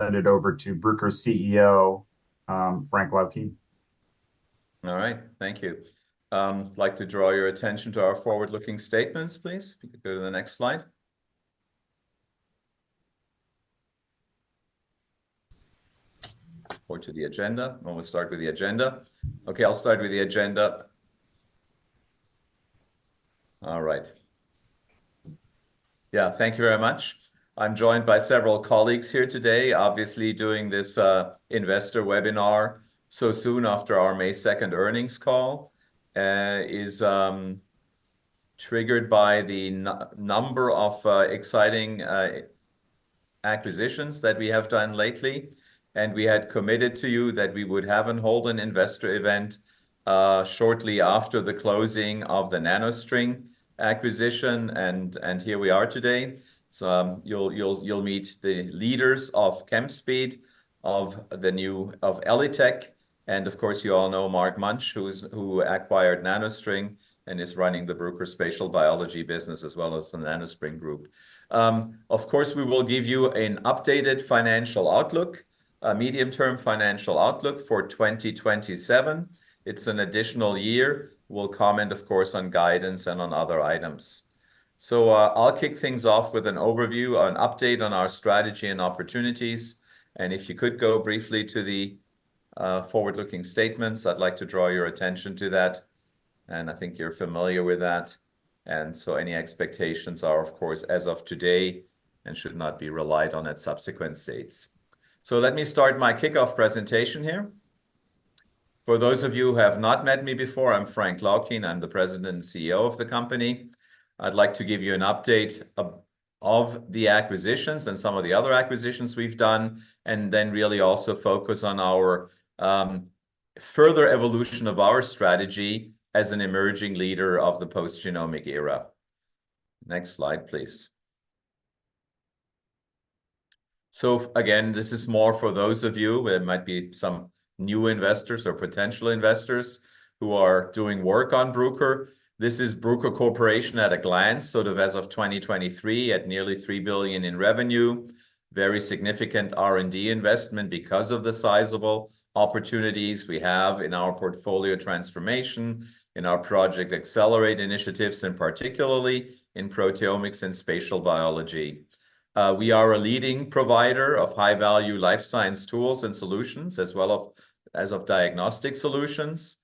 Hand it over to Bruker's CEO, Frank Laukien. All right, thank you. I'd like to draw your attention to our forward-looking statements, please. If you could go to the next slide. Or to the agenda. Why don't we start with the agenda? Okay, I'll start with the agenda. All right. Yeah, thank you very much. I'm joined by several colleagues here today. Obviously, doing this investor webinar so soon after our May 2nd earnings call is triggered by the number of exciting acquisitions that we have done lately, and we had committed to you that we would have and hold an investor event shortly after the closing of the NanoString acquisition, and here we are today. So, you'll meet the leaders of Chemspeed, of ELITechGroup, and of course, you all know Mark Munch, who acquired NanoString and is running the Bruker Spatial Biology business, as well as the NanoString group. Of course, we will give you an updated financial outlook, a medium-term financial outlook for 2027. It's an additional year. We'll comment, of course, on guidance and on other items. I'll kick things off with an overview, an update on our strategy and opportunities, and if you could go briefly to the forward-looking statements, I'd like to draw your attention to that, and I think you're familiar with that. And so any expectations are, of course, as of today, and should not be relied on at subsequent dates. So let me start my kickoff presentation here. For those of you who have not met me before, I'm Frank H. Laukien. I'm the president and CEO of the company. I'd like to give you an update about the acquisitions and some of the other acquisitions we've done, and then really also focus on our further evolution of our strategy as an emerging leader of the post-genomic era. Next slide, please. So again, this is more for those of you, there might be some new investors or potential investors who are doing work on Bruker. This is Bruker Corporation at a glance, sort of as of 2023, at nearly $3 billion in revenue. Very significant R&D investment because of the sizable opportunities we have in our portfolio transformation, in our Project Accelerate initiatives, and particularly in proteomics and spatial biology. We are a leading provider of high-value life science tools and solutions, as well as diagnostic solutions.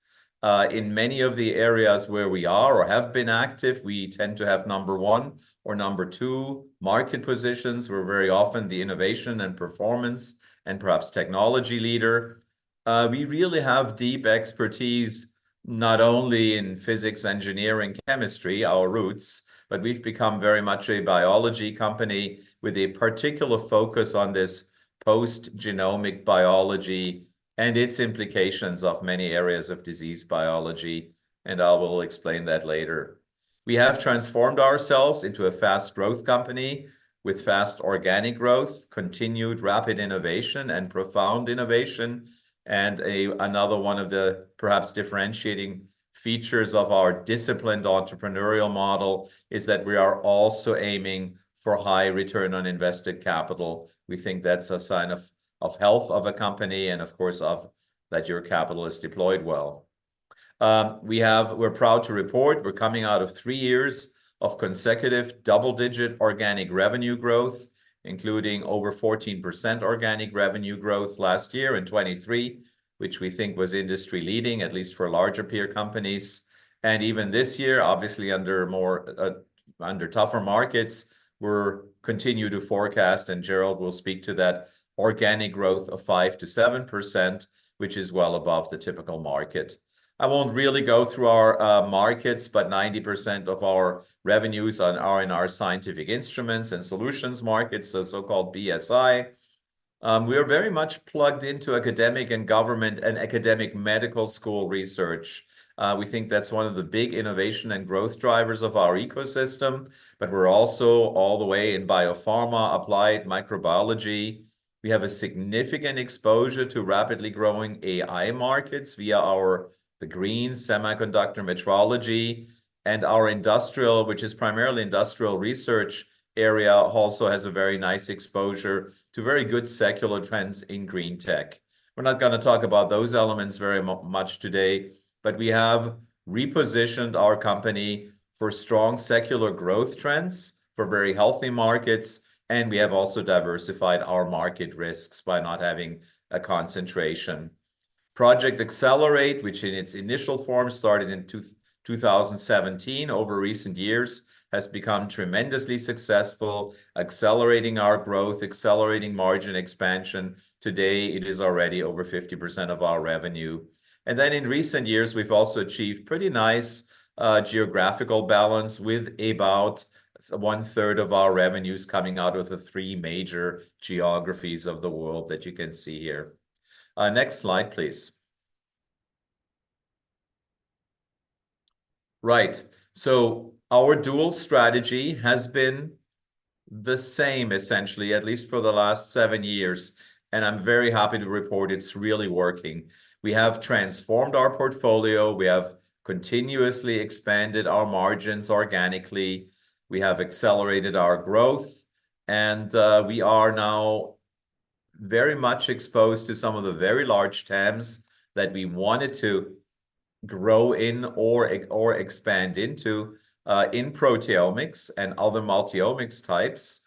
In many of the areas where we are or have been active, we tend to have number one or number two market positions. We're very often the innovation and performance and perhaps technology leader. We really have deep expertise, not only in physics, engineering, chemistry, our roots, but we've become very much a biology company with a particular focus on this post-genomic biology and its implications of many areas of disease biology, and I will explain that later. We have transformed ourselves into a fast growth company with fast organic growth, continued rapid innovation, and profound innovation. And another one of the perhaps differentiating features of our disciplined entrepreneurial model is that we are also aiming for high return on invested capital. We think that's a sign of, of health of a company and, of course, of that your capital is deployed well. We're proud to report we're coming out of three years of consecutive double-digit organic revenue growth, including over 14% organic revenue growth last year in 2023, which we think was industry-leading, at least for larger peer companies. And even this year, obviously under more, under tougher markets, we're continue to forecast, and Gerald will speak to that, organic growth of 5%-7%, which is well above the typical market. I won't really go through our markets, but 90% of our revenues are in our scientific instruments and solutions markets, so so-called BSI. We are very much plugged into academic and government and academic medical school research. We think that's one of the big innovation and growth drivers of our ecosystem, but we're also all the way in biopharma, applied microbiology. We have a significant exposure to rapidly growing AI markets via our the green semiconductor metrology, and our industrial, which is primarily industrial research area, also has a very nice exposure to very good secular trends in green tech. We're not gonna talk about those elements very much today, but we have repositioned our company for strong secular growth trends, for very healthy markets, and we have also diversified our market risks by not having a concentration. Project Accelerate, which in its initial form started in 2017, over recent years, has become tremendously successful, accelerating our growth, accelerating margin expansion. Today, it is already over 50% of our revenue. And then in recent years, we've also achieved pretty nice geographical balance, with about one-third of our revenues coming out of the three major geographies of the world that you can see here. Next slide, please. Right, so our dual strategy has been the same, essentially, at least for the last seven years, and I'm very happy to report it's really working. We have transformed our portfolio, we have continuously expanded our margins organically, we have accelerated our growth, and we are now very much exposed to some of the very large TAMs that we wanted to grow in or expand into in proteomics and other multi-omics types.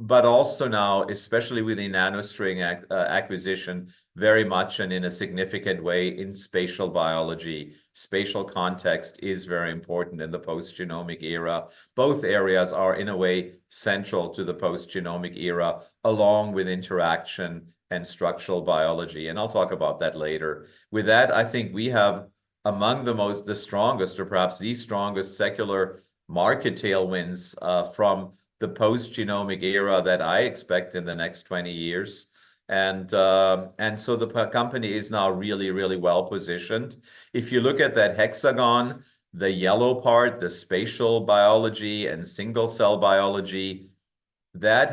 But also now, especially with the NanoString acquisition, very much and in a significant way in spatial biology. Spatial context is very important in the post-genomic era. Both areas are, in a way, central to the post-genomic era, along with interaction and structural biology, and I'll talk about that later. With that, I think we have among the most, the strongest or perhaps the strongest secular market tailwinds from the post-genomic era that I expect in the next 20 years. And so the company is now really, really well positioned. If you look at that hexagon, the yellow part, the spatial biology and single-cell biology, that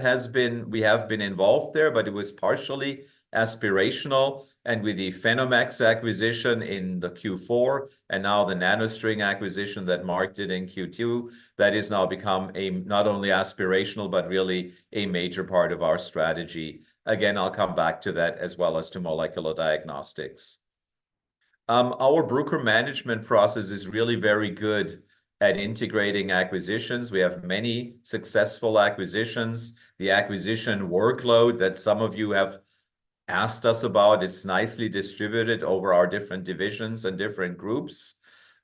we have been involved there, but it was partially aspirational. And with the PhenomeX acquisition in the Q4, and now the NanoString acquisition that marked it in Q2, that has now become a not only aspirational, but really a major part of our strategy. Again, I'll come back to that, as well as to molecular diagnostics. Our Bruker management process is really very good at integrating acquisitions. We have many successful acquisitions. The acquisition workload that some of you have asked us about, it's nicely distributed over our different divisions and different groups.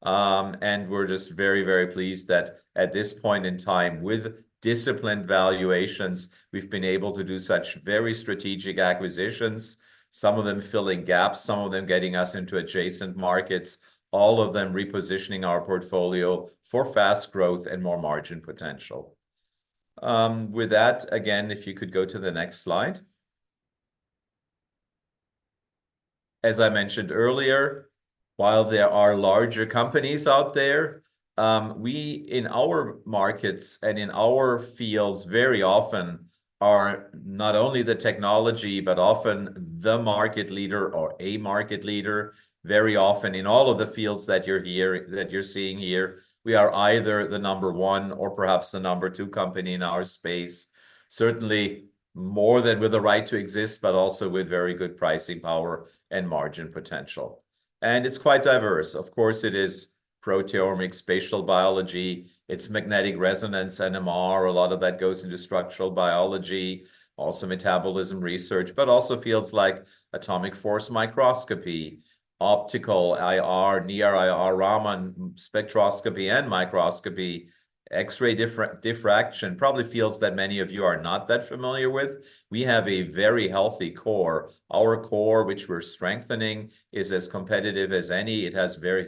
We're just very, very pleased that at this point in time, with disciplined valuations, we've been able to do such very strategic acquisitions, some of them filling gaps, some of them getting us into adjacent markets, all of them repositioning our portfolio for fast growth and more margin potential. With that, again, if you could go to the next slide. As I mentioned earlier, while there are larger companies out there, we, in our markets and in our fields, very often are not only the technology, but often the market leader or a market leader. Very often, in all of the fields that you're here, that you're seeing here, we are either the number one or perhaps the number two company in our space. Certainly more than with the right to exist, but also with very good pricing power and margin potential. And it's quite diverse. Of course, it is proteomics, spatial biology, it's magnetic resonance, NMR, a lot of that goes into structural biology, also metabolism research, but also fields like atomic force microscopy, optical IR, NIR, IR, Raman spectroscopy and microscopy, X-ray diffraction. Probably fields that many of you are not that familiar with. We have a very healthy core. Our core, which we're strengthening, is as competitive as any. It has very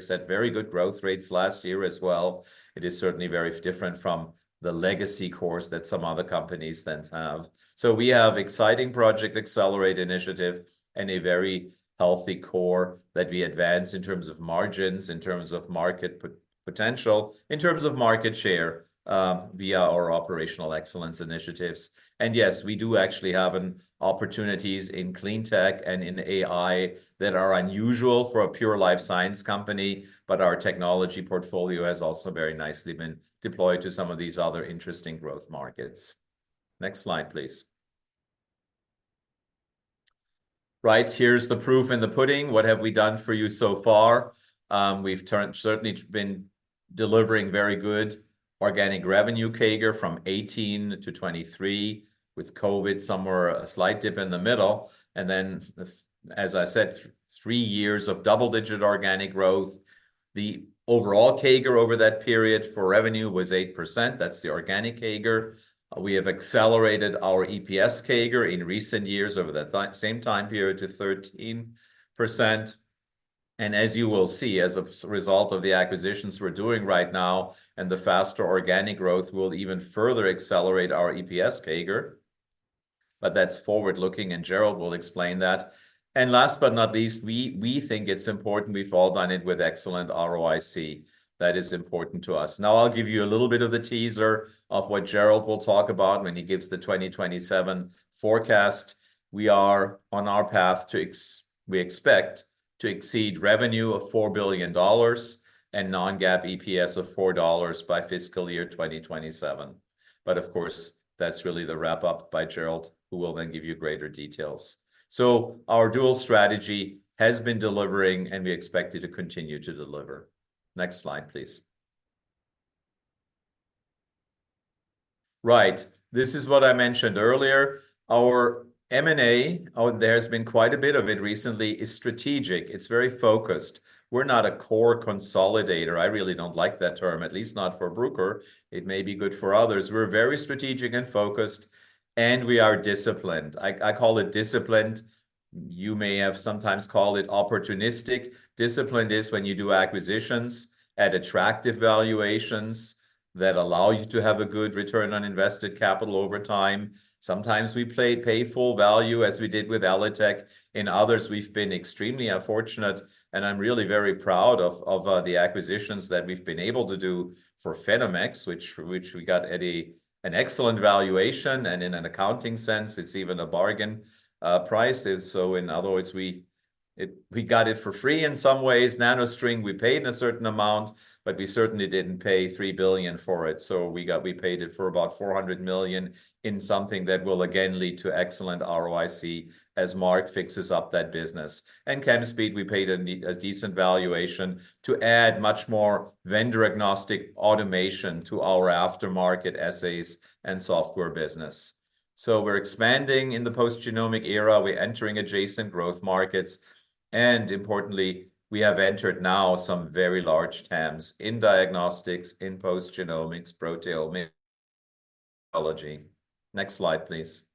good growth rates last year as well. It is certainly very different from the legacy cores that some other companies then have. So we have exciting Project Accelerate initiative and a very healthy core that we advance in terms of margins, in terms of market potential, in terms of market share, via our operational excellence initiatives. And yes, we do actually have an opportunities in clean tech and in AI that are unusual for a pure life science company, but our technology portfolio has also very nicely been deployed to some of these other interesting growth markets. Next slide, please. Right, here's the proof in the pudding. What have we done for you so far? We've certainly been delivering very good organic revenue CAGR from 2018 to 2023, with COVID somewhere, a slight dip in the middle, and then, as I said, three years of double-digit organic growth. The overall CAGR over that period for revenue was 8%. That's the organic CAGR. We have accelerated our EPS CAGR in recent years over that same time period to 13%. And as you will see, as a result of the acquisitions we're doing right now, and the faster organic growth will even further accelerate our EPS CAGR, but that's forward-looking, and Gerald will explain that. And last but not least, we think it's important we've all done it with excellent ROIC. That is important to us. Now, I'll give you a little bit of the teaser of what Gerald will talk about when he gives the 2027 forecast. We are on our path to we expect to exceed revenue of $4 billion and non-GAAP EPS of $4 by fiscal year 2027. But of course, that's really the wrap-up by Gerald, who will then give you greater details. So our dual strategy has been delivering, and we expect it to continue to deliver. Next slide, please. Right, this is what I mentioned earlier. Our M&A, oh, there's been quite a bit of it recently, is strategic. It's very focused. We're not a core consolidator. I really don't like that term, at least not for Bruker. It may be good for others. We're very strategic and focused, and we are disciplined. I, I call it disciplined. You may have sometimes called it opportunistic. Disciplined is when you do acquisitions at attractive valuations that allow you to have a good return on invested capital over time. Sometimes we pay full value, as we did with ELITechGroup, and others, we've been extremely fortunate, and I'm really very proud of the acquisitions that we've been able to do for PhenomeX, which we got at an excellent valuation, and in an accounting sense, it's even a bargain price. So in other words, we got it for free in some ways. NanoString, we paid a certain amount, but we certainly didn't pay $3 billion for it. So we paid for it about $400 million in something that will again lead to excellent ROIC, as Mark fixes up that business. And Chemspeed, we paid a decent valuation to add much more vendor-agnostic automation to our aftermarket assays and software business. So we're expanding in the post-genomic era, we're entering adjacent growth markets, and importantly, we have entered now some very large TAMs in diagnostics, in post-genomics, proteomics, -ology. Next slide, please.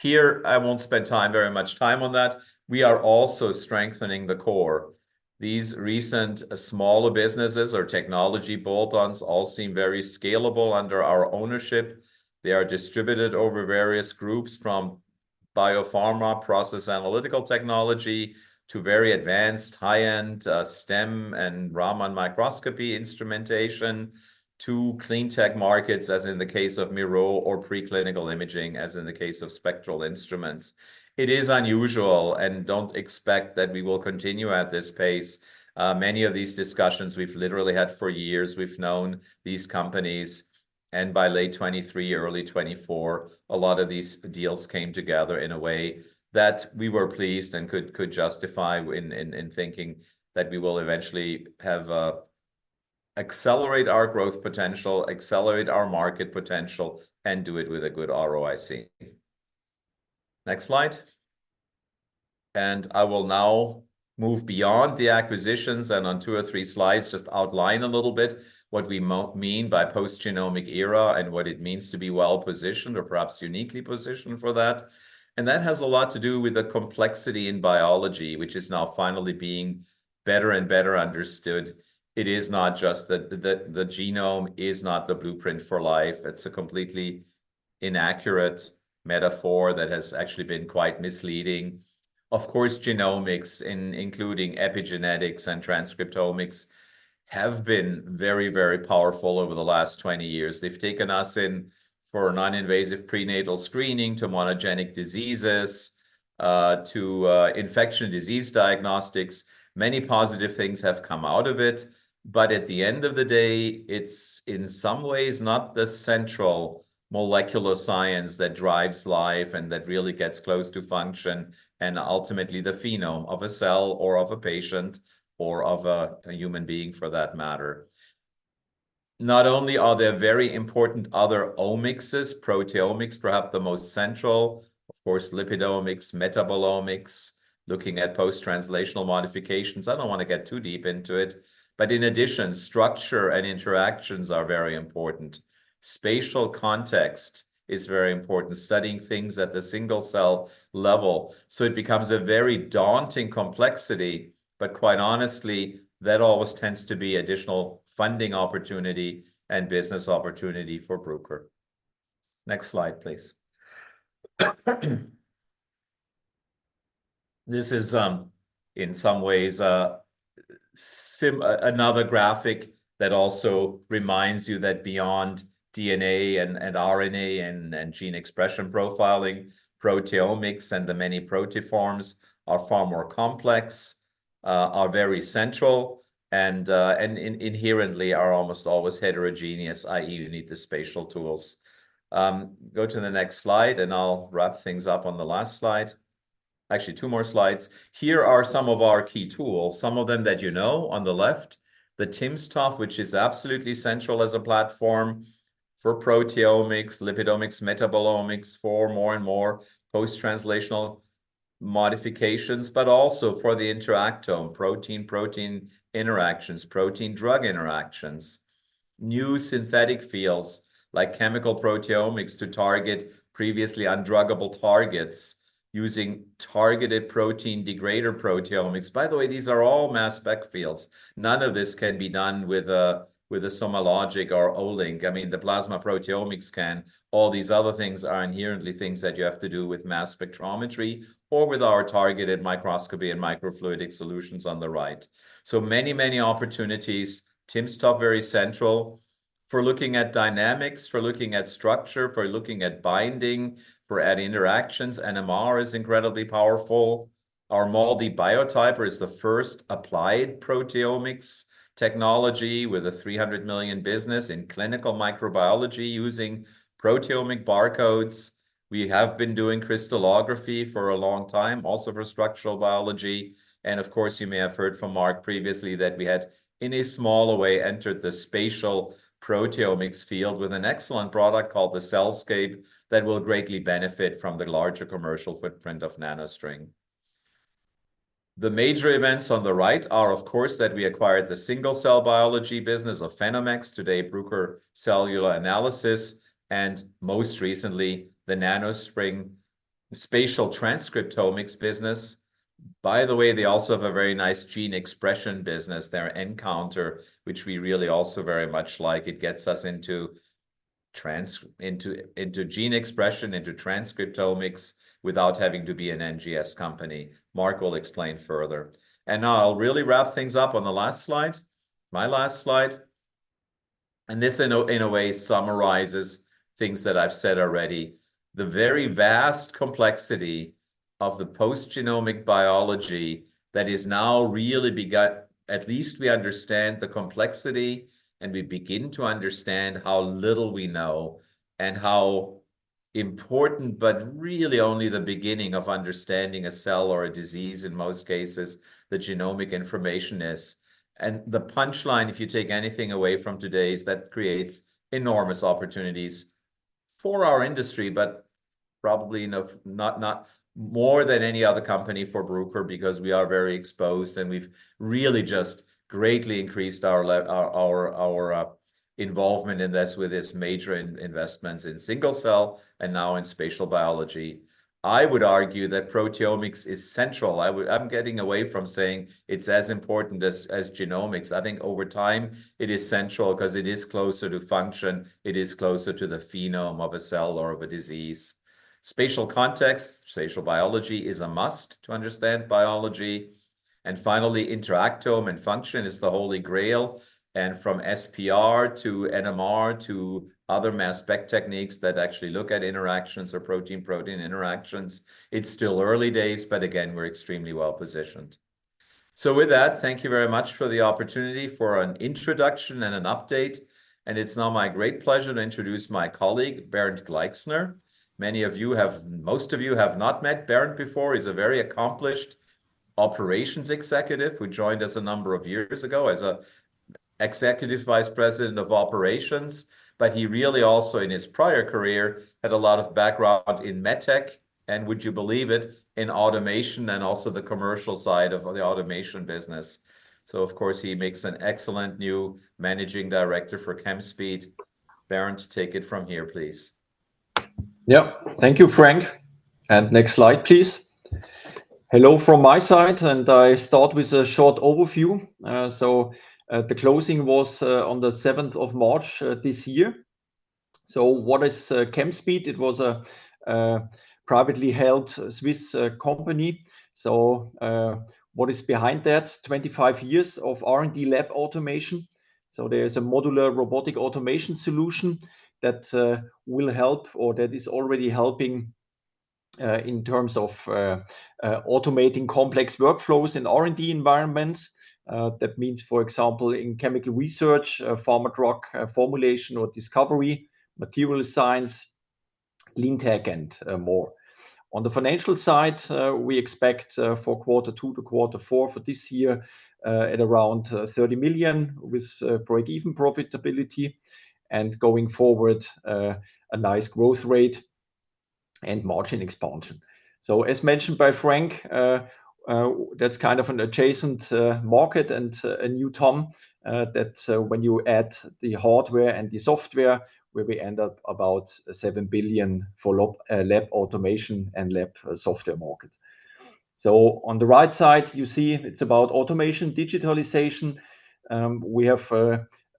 Here, I won't spend time, very much time on that. We are also strengthening the core. These recent smaller businesses or technology bolt-ons all seem very scalable under our ownership. They are distributed over various groups, from biopharma, process analytical technology, to very advanced high-end, STEM and Raman microscopy instrumentation, to clean tech markets, as in the case of MIRO or preclinical imaging, as in the case of spectral instruments. It is unusual, and don't expect that we will continue at this pace. Many of these discussions we've literally had for years. We've known these companies, and by late 2023 or early 2024, a lot of these deals came together in a way that we were pleased and could justify in thinking that we will eventually have accelerate our growth potential, accelerate our market potential, and do it with a good ROIC. Next slide. I will now move beyond the acquisitions, and on two or three slides, just outline a little bit what we mean by post-genomic era, and what it means to be well-positioned or perhaps uniquely positioned for that. That has a lot to do with the complexity in biology, which is now finally being better and better understood. It is not just that the genome is not the blueprint for life. It's a completely inaccurate metaphor that has actually been quite misleading. Of course, genomics, including epigenetics and transcriptomics, have been very, very powerful over the last 20 years. They've taken us in for a non-invasive prenatal screening to monogenic diseases, to infection disease diagnostics. Many positive things have come out of it, but at the end of the day, it's in some ways not the central molecular science that drives life and that really gets close to function, and ultimately, the phenome of a cell, or of a patient, or of a human being, for that matter. Not only are there very important other omics, proteomics, perhaps the most central, of course, lipidomics, metabolomics, looking at post-translational modifications. I don't wanna get too deep into it, but in addition, structure and interactions are very important. Spatial context is very important, studying things at the single cell level. So it becomes a very daunting complexity, but quite honestly, that always tends to be additional funding opportunity and business opportunity for Bruker. Next slide, please. This is, in some ways, another graphic that also reminds you that beyond DNA and RNA and gene expression profiling, proteomics and the many proteoforms are far more complex, are very central, and inherently are almost always heterogeneous, i.e., you need the spatial tools. Go to the next slide, and I'll wrap things up on the last slide. Actually, two more slides. Here are some of our key tools, some of them that you know on the left, the timsTOF, which is absolutely central as a platform for proteomics, lipidomics, metabolomics, for more and more post-translational modifications, but also for the interactome, protein-protein interactions, protein-drug interactions, new synthetic fields like chemical proteomics to target previously undruggable targets using targeted protein degrader proteomics. By the way, these are all mass spec fields. None of this can be done with a SomaLogic or Olink. I mean, the plasma proteomics can. All these other things are inherently things that you have to do with mass spectrometry or with our targeted microscopy and microfluidic solutions on the right. So many, many opportunities. timsTOF, very central for looking at dynamics, for looking at structure, for looking at binding, for at interactions. NMR is incredibly powerful. Our MALDI Biotyper is the first applied proteomics technology with a $300 million business in clinical microbiology using proteomic barcodes. We have been doing crystallography for a long time, also for structural biology, and of course, you may have heard from Marc previously that we had, in a small way, entered the spatial proteomics field with an excellent product called the CellScape, that will greatly benefit from the larger commercial footprint of NanoString. The major events on the right are, of course, that we acquired the single-cell biology business of PhenomeX, today, Bruker Cellular Analysis, and most recently, the NanoString spatial transcriptomics business. By the way, they also have a very nice gene expression business, their nCounter, which we really also very much like. It gets us into gene expression, into transcriptomics, without having to be an NGS company. Marc will explain further. And now I'll really wrap things up on the last slide, my last slide. This, in a way, summarizes things that I've said already. The very vast complexity of the post-genomic biology that is now really at least we understand the complexity, and we begin to understand how little we know and how important, but really only the beginning of understanding a cell or a disease, in most cases, the genomic information is. The punchline, if you take anything away from today, is that creates enormous opportunities for our industry, but probably not more than any other company for Bruker, because we are very exposed, and we've really just greatly increased our involvement in this, with this major investments in single cell and now in spatial biology. I would argue that proteomics is central. I'm getting away from saying it's as important as, as genomics. I think over time it is central 'cause it is closer to function, it is closer to the phenome of a cell or of a disease. Spatial context, spatial biology is a must to understand biology. And finally, interactome and function is the holy grail, and from SPR to NMR to other mass spec techniques that actually look at interactions or protein-protein interactions, it's still early days, but again, we're extremely well positioned. So with that, thank you very much for the opportunity for an introduction and an update, and it's now my great pleasure to introduce my colleague, Bernd Gleixner. Most of you have not met Bernd before. He's a very accomplished operations executive who joined us a number of years ago as an executive vice president of operations. But he really also, in his prior career, had a lot of background in MedTech and, would you believe it, in automation and also the commercial side of the automation business. So of course, he makes an excellent new managing director for Chemspeed. Bernd, take it from here, please. Yep. Thank you, Frank. And next slide, please. Hello from my side, and I start with a short overview. So, the closing was on the seventh of March this year. So what is Chemspeed? It was a privately held Swiss company. So, what is behind that? 25 years of R&D lab automation. So there is a modular robotic automation solution that will help or that is already helping in terms of automating complex workflows in R&D environments. That means, for example, in chemical research, pharma drug formulation or discovery, material science, clean tech, and more. On the financial side, we expect for quarter two to quarter four for this year at around $30 million, with break-even profitability, and going forward a nice growth rate and margin expansion. So as mentioned by Frank, that's kind of an adjacent market and a new term that when you add the hardware and the software, where we end up about $7 billion for lab automation and lab software market. So on the right side, you see it's about automation, digitalization. We have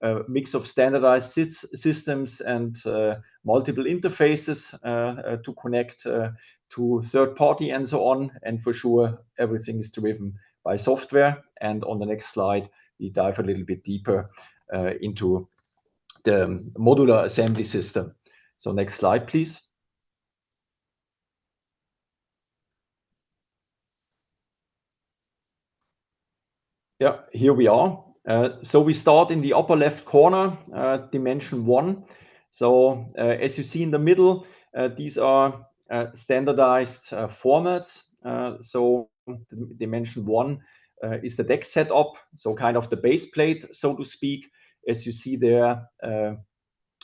a mix of standardized systems and multiple interfaces to connect to third party and so on. And for sure, everything is driven by software. And on the next slide, we dive a little bit deeper into the modular assembly system. So next slide, please. Yeah, here we are. So we start in the upper left corner, dimension one. So, as you see in the middle, these are standardized formats. So dimension one is the deck setup, so kind of the base plate, so to speak, as you see there,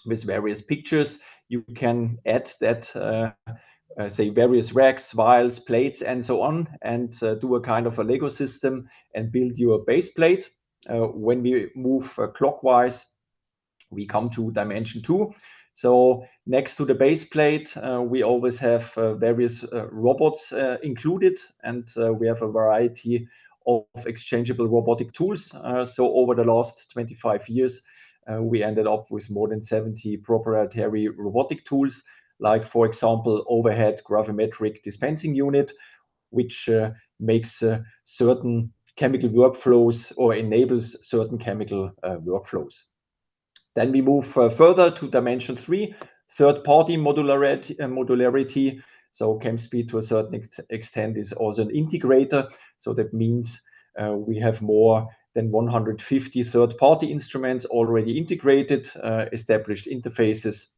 with various pictures. You can add that, say, various racks, vials, plates, and so on, and do a kind of a Lego system and build your base plate. When we move clockwise, we come to dimension two. So next to the base plate, we always have various robots included, and we have a variety of exchangeable robotic tools. So over the last 25 years, we ended up with more than 70 proprietary robotic tools, like, for example, overhead gravimetric dispensing unit, which makes certain chemical workflows or enables certain chemical workflows. Then we move further to dimension three, third-party modularity, modularity. So Chemspeed, to a certain extent, is also an integrator. So that means we have more than 150 third-party instruments already integrated, established interfaces,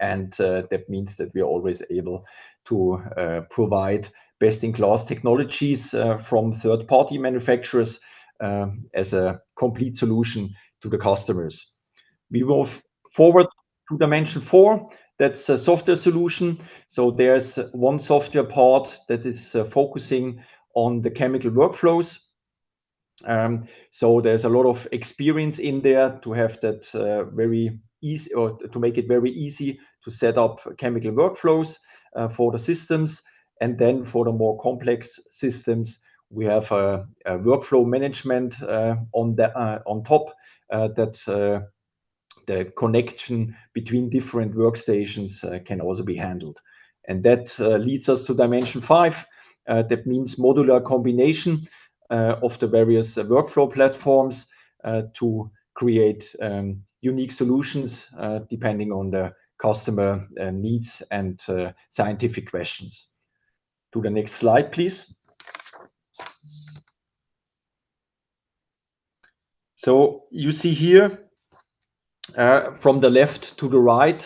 and that means that we are always able to provide best-in-class technologies from third-party manufacturers as a complete solution to the customers. We move forward to dimension four. That's a software solution. So there's one software part that is focusing on the chemical workflows. So there's a lot of experience in there to have that very easy or to make it very easy to set up chemical workflows for the systems. And then for the more complex systems, we have a workflow management on the on top that the connection between different workstations can also be handled. That leads us to dimension 5, that means modular combination of the various workflow platforms to create unique solutions depending on the customer needs and scientific questions. To the next slide, please. So you see here from the left to the right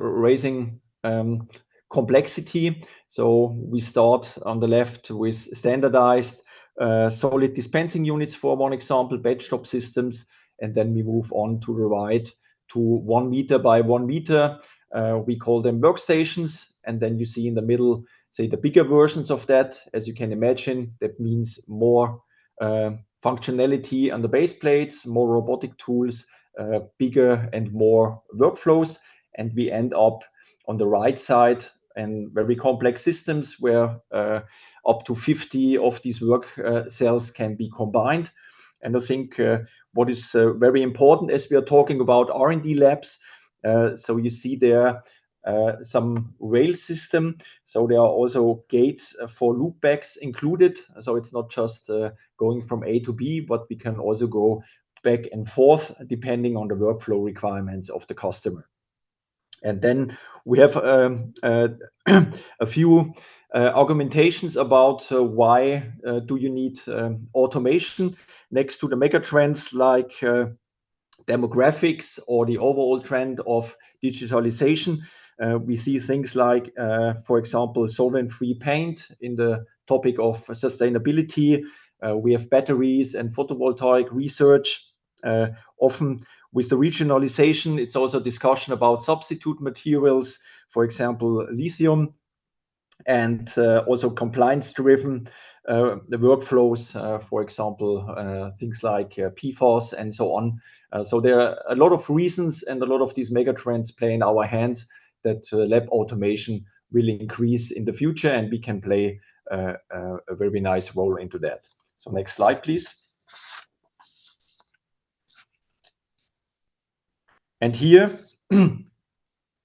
raising complexity. So we start on the left with standardized solid dispensing units, for 1 example, benchtop systems, and then we move on to the right, to 1 meter by 1 meter, we call them workstations. And then you see in the middle, say, the bigger versions of that. As you can imagine, that means more functionality on the base plates, more robotic tools, bigger and more workflows. And we end up on the right side in very complex systems, where up to 50 of these work cells can be combined. And I think what is very important as we are talking about R&D labs, so you see there some rail system, so there are also gates for loopbacks included. So it's not just going from A to B, but we can also go back and forth, depending on the workflow requirements of the customer. And then we have a few arguments about why do you need automation next to the mega trends like demographics or the overall trend of digitalization. We see things like, for example, solvent-free paint in the topic of sustainability. We have batteries and photovoltaic research. Often with the regionalization, it's also a discussion about substitute materials, for example, lithium, and also compliance-driven, the workflows, for example, things like PFOS and so on. So there are a lot of reasons, and a lot of these mega trends play in our hands, that lab automation will increase in the future, and we can play a very nice role into that. So next slide, please. And here,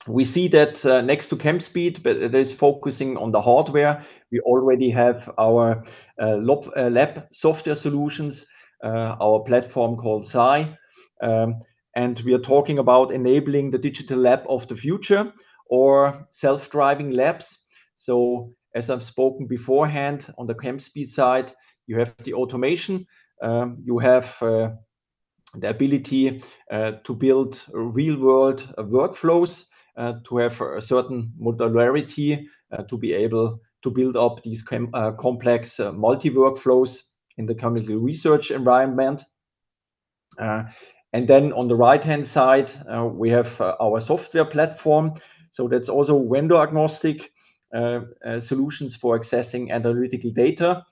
we see that next to Chemspeed, but it is focusing on the hardware. We already have our lab software solutions, our platform called SciY. And we are talking about enabling the digital lab of the future or self-driving labs. So as I've spoken beforehand, on the Chemspeed side, you have the automation, you have the ability to build real-world workflows, to have a certain modularity, to be able to build up these complex multi-workflows in the chemical research environment. And then on the right-hand side, we have our software platform. So that's also vendor-agnostic solutions for accessing analytical data.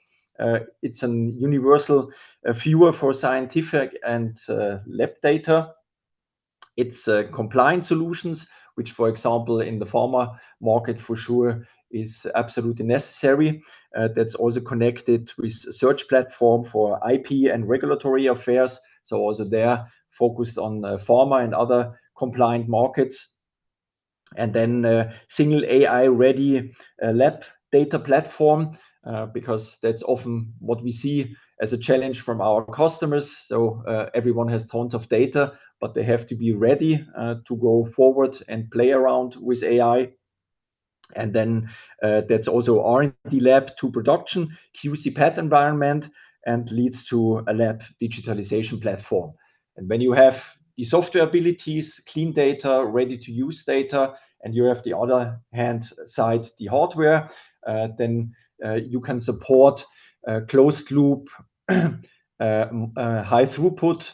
It's a universal viewer for scientific and lab data. It's compliant solutions, which, for example, in the pharma market for sure, is absolutely necessary. That's also connected with search platform for IP and regulatory affairs, so also they're focused on pharma and other compliant markets. And then single AI-ready lab data platform, because that's often what we see as a challenge from our customers. So, everyone has tons of data, but they have to be ready to go forward and play around with AI. And then, that's also R&D lab to production, QC path environment, and leads to a lab digitalization platform. And when you have the software abilities, clean data, ready-to-use data, and you have the other hand side, the hardware, then you can support closed-loop high-throughput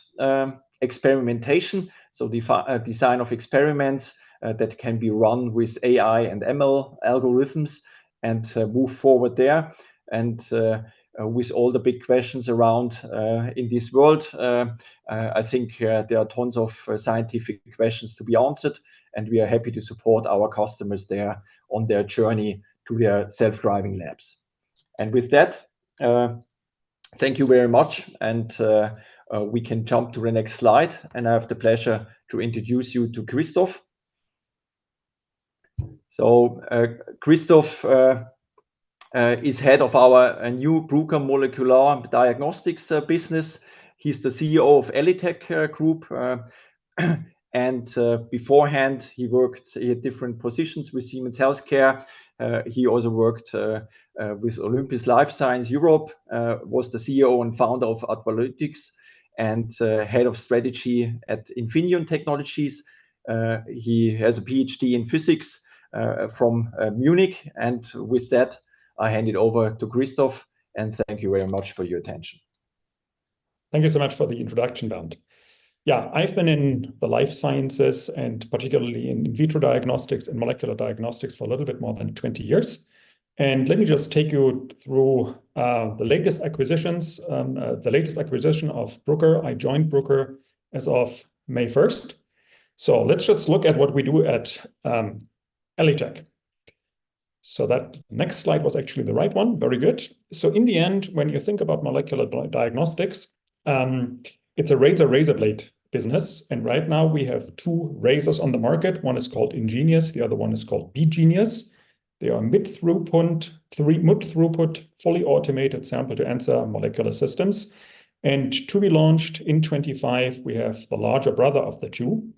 experimentation. So the design of experiments that can be run with AI and ML algorithms and move forward there. And with all the big questions around in this world, I think there are tons of scientific questions to be answered, and we are happy to support our customers there on their journey to their self-driving labs. And with that, thank you very much, and we can jump to the next slide, and I have the pleasure to introduce you to Christoph. Christoph is head of our new Bruker Molecular Diagnostics business. He's the CEO of ELITechGroup, and beforehand, he worked in different positions with Siemens Healthcare. He also worked with Olympus Life Science Europe, was the CEO and founder of Advalytix, and head of strategy at Infineon Technologies. He has a PhD in physics from Munich, and with that, I hand it over to Christoph, and thank you very much for your attention. Thank you so much for the introduction, Bernd. Yeah, I've been in the life sciences, and particularly in vitro diagnostics and molecular diagnostics, for a little bit more than 20 years. Let me just take you through the latest acquisitions, the latest acquisition of Bruker. I joined Bruker as of May first. Let's just look at what we do at ELITechGroup. So that next slide was actually the right one. Very good. So in the end, when you think about molecular diagnostics, it's a razor, razor blade business, and right now we have 2 razors on the market. One is called InGenius, the other one is called BeGenius. They are mid-throughput, fully automated sample-to-answer molecular systems. And to be launched in 2025, we have the larger brother of the two,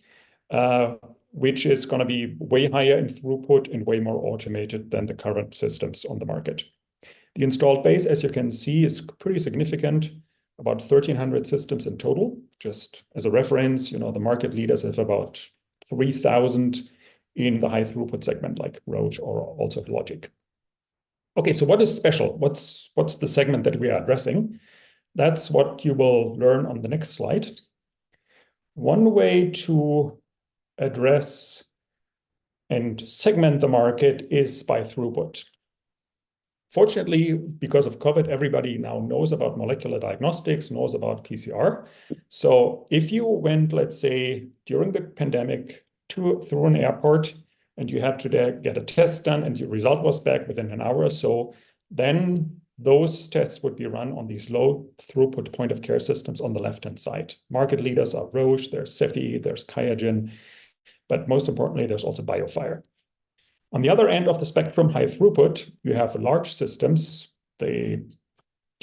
which is gonna be way higher in throughput and way more automated than the current systems on the market. The installed base, as you can see, is pretty significant, about 1,300 systems in total. Just as a reference, you know, the market leaders have about 3,000 in the high-throughput segment, like Roche or also Hologic. Okay, so what is special? What's the segment that we are addressing? That's what you will learn on the next slide. One way to address and segment the market is by throughput. Fortunately, because of COVID, everybody now knows about molecular diagnostics, knows about PCR. So if you went, let's say, during the pandemic, to, through an airport, and you had to get a test done, and your result was back within an hour or so, then those tests would be run on these low-throughput point-of-care systems on the left-hand side. Market leaders are Roche, there's Cepheid, there's QIAGEN, but most importantly, there's also BioFire. On the other end of the spectrum, high throughput, you have large systems. They,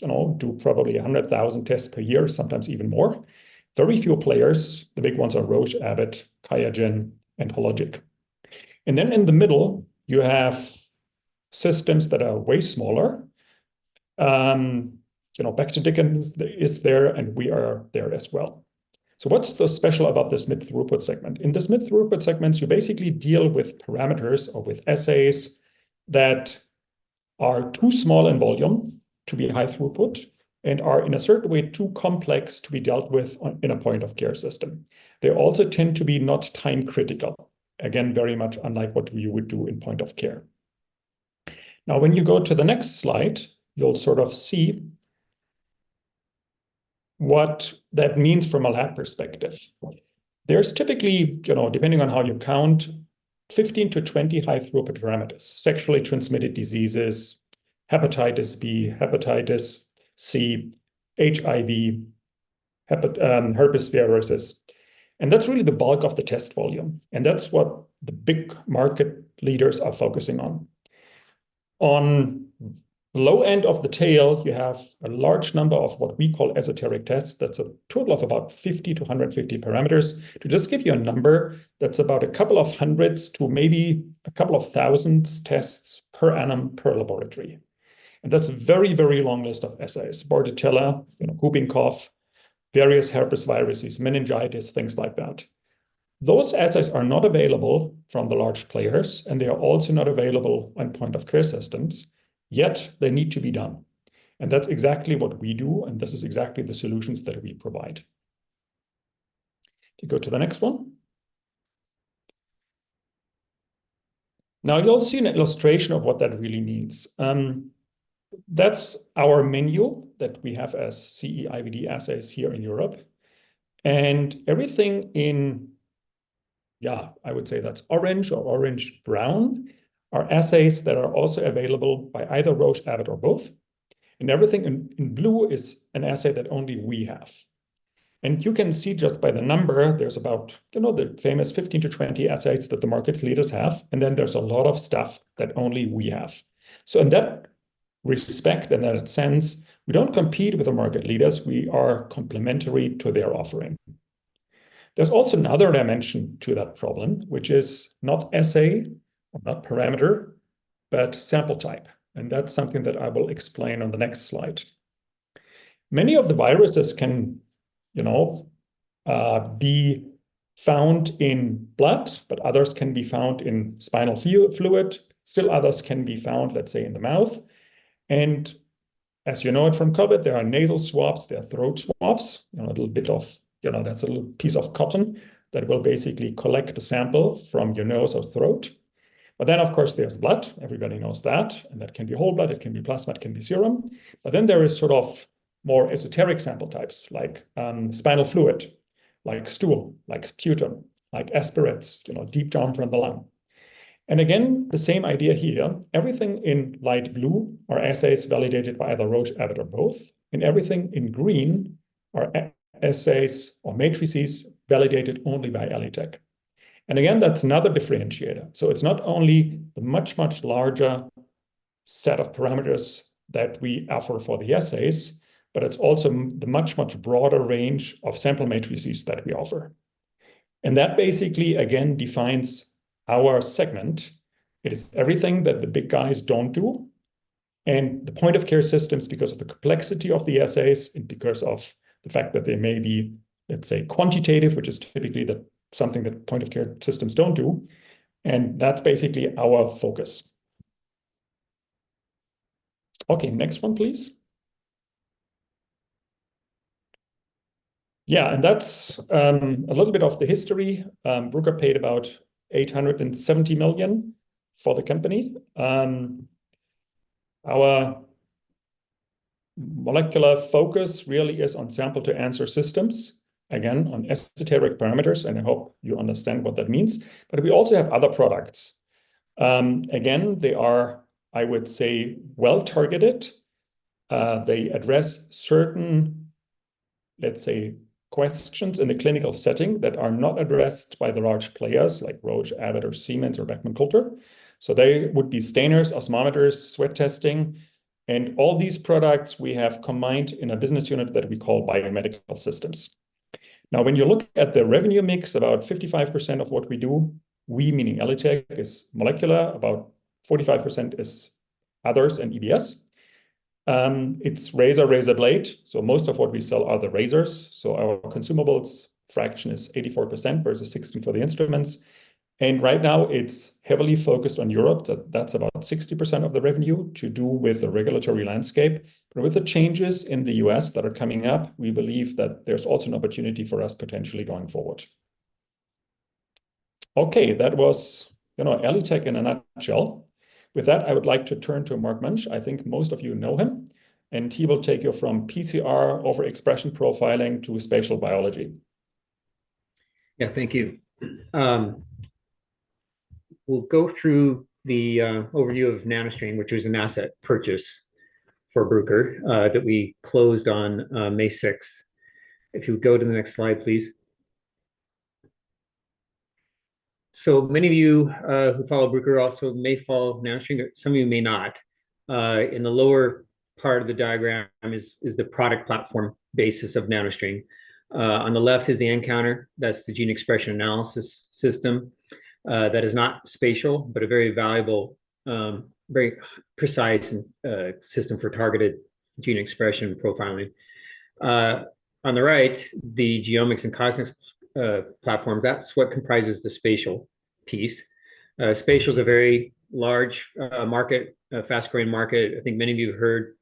you know, do probably 100,000 tests per year, sometimes even more. Very few players. The big ones are Roche, Abbott, QIAGEN, and Hologic. And then in the middle, you have systems that are way smaller. You know, Beckman Dickinson is there, and we are there as well. So what's so special about this mid-throughput segment? In this mid-throughput segments, you basically deal with parameters or with assays that are too small in volume to be high throughput and are, in a certain way, too complex to be dealt with on, in a point-of-care system. They also tend to be not time critical. Again, very much unlike what we would do in point of care. Now, when you go to the next slide, you'll sort of see what that means from a lab perspective. There's typically, you know, depending on how you count, 15-20 high-throughput parameters, sexually transmitted diseases, hepatitis B, hepatitis C, HIV, hepatitis, herpes viruses. And that's really the bulk of the test volume, and that's what the big market leaders are focusing on. On the low end of the tail, you have a large number of what we call esoteric tests. That's a total of about 50-150 parameters. To just give you a number, that's about a couple of hundreds to maybe a couple of thousands tests per annum per laboratory. And that's a very, very long list of assays. Bordetella, you know, whooping cough, various herpes viruses, meningitis, things like that. Those assays are not available from the large players, and they are also not available on point-of-care systems, yet they need to be done. And that's exactly what we do, and this is exactly the solutions that we provide. Can you go to the next one? Now, you'll see an illustration of what that really means. That's our menu that we have as CE-IVD assays here in Europe. Everything in, yeah, I would say that's orange or orange-brown, are assays that are also available by either Roche, Abbott, or both, and everything in, in blue is an assay that only we have. You can see just by the number, there's about, you know, the famous 15-20 assays that the market leaders have, and then there's a lot of stuff that only we have. So in that respect, in that sense, we don't compete with the market leaders. We are complementary to their offering. There's also another dimension to that problem, which is not assay or not parameter, but sample type, and that's something that I will explain on the next slide. Many of the viruses can, you know, be found in blood, but others can be found in spinal fluid, still others can be found, let's say, in the mouth. As you know it from COVID, there are nasal swabs, there are throat swabs, you know. You know, that's a little piece of cotton that will basically collect a sample from your nose or throat. But then, of course, there's blood. Everybody knows that, and that can be whole blood, it can be plasma, it can be serum. But then there is sort of more esoteric sample types, like spinal fluid, like stool, like sputum, like aspirates, you know, deep down from the lung. And again, the same idea here, everything in light blue are assays validated by either Roche, Abbott, or both, and everything in green are assays or matrices validated only by ELITechGroup. And again, that's another differentiator. So it's not only the much, much larger set of parameters that we offer for the assays, but it's also the much, much broader range of sample matrices that we offer. And that basically, again, defines our segment. It is everything that the big guys don't do, and the point-of-care systems, because of the complexity of the assays and because of the fact that they may be, let's say, quantitative, which is typically something that point-of-care systems don't do, and that's basically our focus. Okay, next one, please. Yeah, and that's a little bit of the history. Bruker paid about $870 million for the company. Our molecular focus really is on sample to answer systems, again, on esoteric parameters, and I hope you understand what that means. But we also have other products. Again, they are, I would say, well-targeted. They address certain, let's say, questions in the clinical setting that are not addressed by the large players like Roche, Abbott, or Siemens, or Beckman Coulter. So they would be stainers, osmometers, sweat testing, and all these products we have combined in a business unit that we call Biomedical Systems. Now, when you look at the revenue mix, about 55% of what we do, we meaning ELITechGroup, is molecular, about 45% is others and EBS. It's razor, razor blade, so most of what we sell are the razors. So our consumables fraction is 84% versus 16% for the instruments, and right now it's heavily focused on Europe. That's about 60% of the revenue to do with the regulatory landscape. But with the changes in the US that are coming up, we believe that there's also an opportunity for us potentially going forward. Okay, that was, you know, ELITechGroup in a nutshell. With that, I would like to turn to Mark Munch. I think most of you know him, and he will take you from PCR over expression profiling to spatial biology. Yeah, thank you. We'll go through the overview of NanoString, which was an asset purchase for Bruker that we closed on May sixth. If you go to the next slide, please. So many of you who follow Bruker also may follow NanoString, or some of you may not. In the lower part of the diagram is the product platform basis of NanoString. On the left is the nCounter. That's the gene expression analysis system that is not spatial, but a very valuable very precise system for targeted gene expression profiling. On the right, the GeoMx and CosMx platform, that's what comprises the spatial piece. Spatial is a very large market, a fast-growing market. I think many of you heard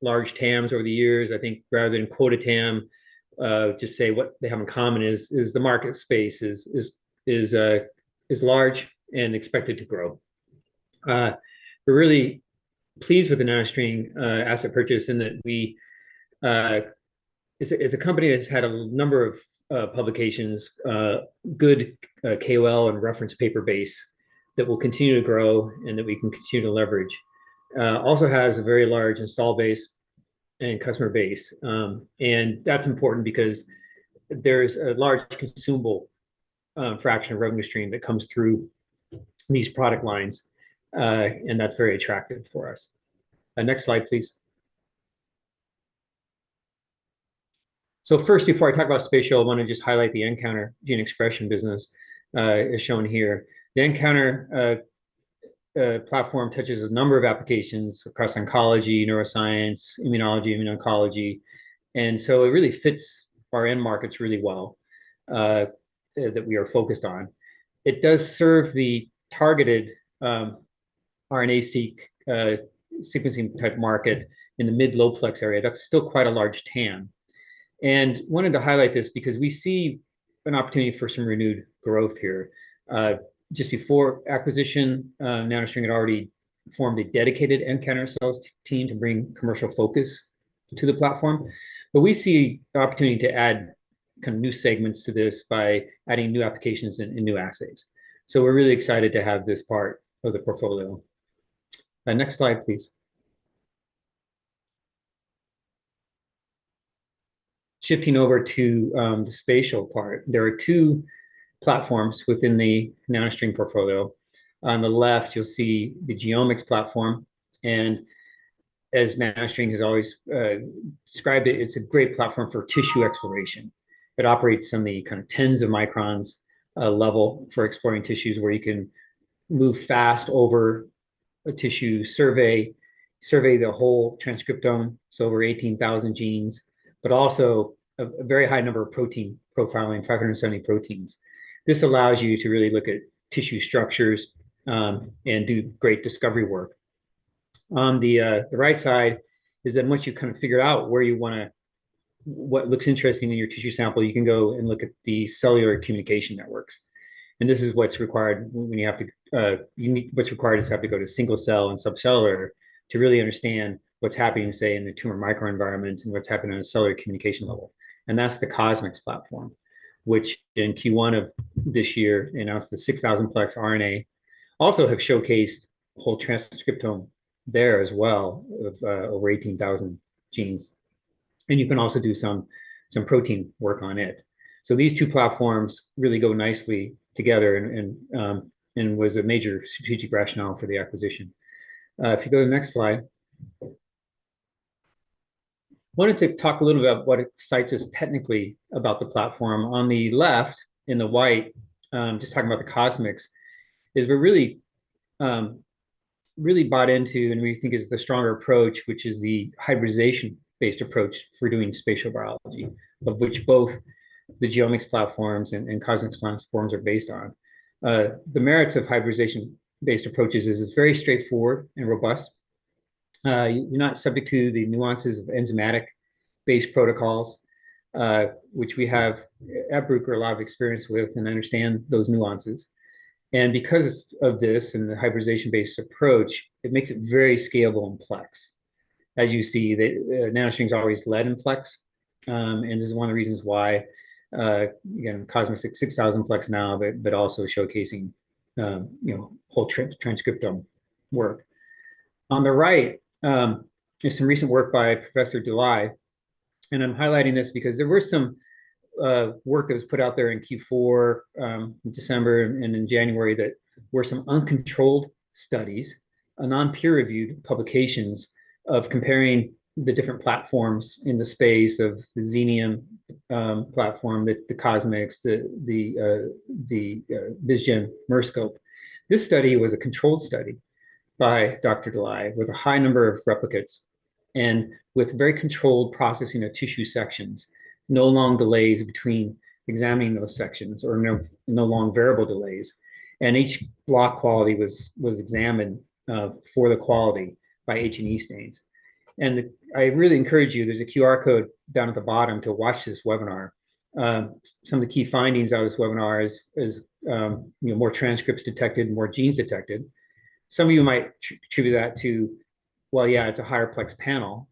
large TAMs over the years. I think rather than quote a TAM, just say what they have in common is the market space is large and expected to grow. We're really pleased with the NanoString asset purchase in that we. It's a company that's had a number of publications, good KOL and reference paper base that will continue to grow and that we can continue to leverage. Also has a very large install base and customer base, and that's important because there's a large consumable fraction of revenue stream that comes through these product lines, and that's very attractive for us. Next slide, please. So first, before I talk about spatial, I want to just highlight the nCounter gene expression business, as shown here. The nCounter platform touches a number of applications across oncology, neuroscience, immunology, immuno-oncology, and so it really fits our end markets really well that we are focused on. It does serve the targeted RNA-seq sequencing type market in the mid-low plex area. That's still quite a large TAM. And wanted to highlight this because we see an opportunity for some renewed growth here. Just before acquisition, NanoString had already formed a dedicated nCounter sales team to bring commercial focus to the platform. But we see the opportunity to add kind of new segments to this by adding new applications and, and new assays. So we're really excited to have this part of the portfolio. Next slide, please. Shifting over to the spatial part, there are two platforms within the NanoString portfolio. On the left, you'll see the GeoMx platform, and as NanoString has always described it, it's a great platform for tissue exploration. It operates on the kind of tens of microns level for exploring tissues, where you can move fast over a tissue survey, survey the whole transcriptome, so over 18,000 genes, but also a very high number of protein profiling, 570 proteins. This allows you to really look at tissue structures, and do great discovery work. On the right side, is then once you kind of figure out where you wanna what looks interesting in your tissue sample, you can go and look at the cellular communication networks, and this is what's required when you have to, you need- what's required is you have to go to single cell and subcellular to really understand what's happening, say, in the tumor microenvironment and what's happening on a cellular communication level, and that's the CosMx platform. Which in Q1 of this year announced the 6,000-plex RNA, also have showcased whole transcriptome there as well of, over 18,000 genes, and you can also do some, some protein work on it. So these two platforms really go nicely together and, and, and was a major strategic rationale for the acquisition. If you go to the next slide. Wanted to talk a little about what excites us technically about the platform. On the left, in the white, just talking about the CosMx, is we're really, really bought into and we think is the stronger approach, which is the hybridization-based approach for doing spatial biology, of which both the GeoMx platforms and CosMx platforms are based on. The merits of hybridization-based approaches is it's very straightforward and robust. You're not subject to the nuances of enzymatic-based protocols, which we have, at Bruker, a lot of experience with and understand those nuances. And because of this and the hybridization-based approach, it makes it very scalable and plex. As you see, the NanoString's always led in plex, and is one of the reasons why, you know, CosMx 6,000 plex now, but also showcasing, you know, whole transcriptome work. On the right, is some recent work by Professor Dulai, and I'm highlighting this because there were some work that was put out there in Q4, in December and in January, that were some uncontrolled studies, non-peer-reviewed publications of comparing the different platforms in the space of the Xenium platform, the Vizgen MERSCOPE. This study was a controlled study by Dr. Dulai, with a high number of replicates and with very controlled processing of tissue sections. No long delays between examining those sections or no, no long variable delays, and each block quality was examined for the quality by H&E stains. I really encourage you, there's a QR code down at the bottom to watch this webinar. Some of the key findings out of this webinar is you know, more transcripts detected, more genes detected. Some of you might attribute that to, well, yeah, it's a higher plex panel.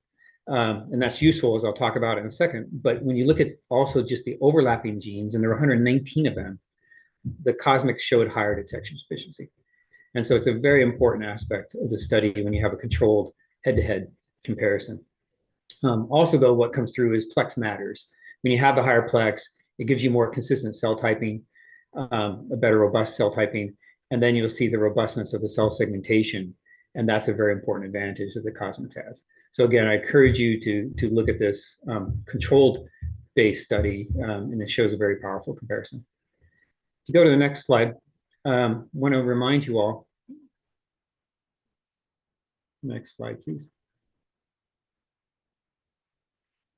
And that's useful, as I'll talk about in a second. But when you look at also just the overlapping genes, and there are 119 of them, the CosMx showed higher detection efficiency, and so it's a very important aspect of the study when you have a controlled head-to-head comparison. Also, though, what comes through is plex matters. When you have the higher plex, it gives you more consistent cell typing, a better, robust cell typing, and then you'll see the robustness of the cell segmentation, and that's a very important advantage that the CosMx has. So again, I encourage you to look at this controlled-based study, and it shows a very powerful comparison. If you go to the next slide, I want to remind you all Next slide, please.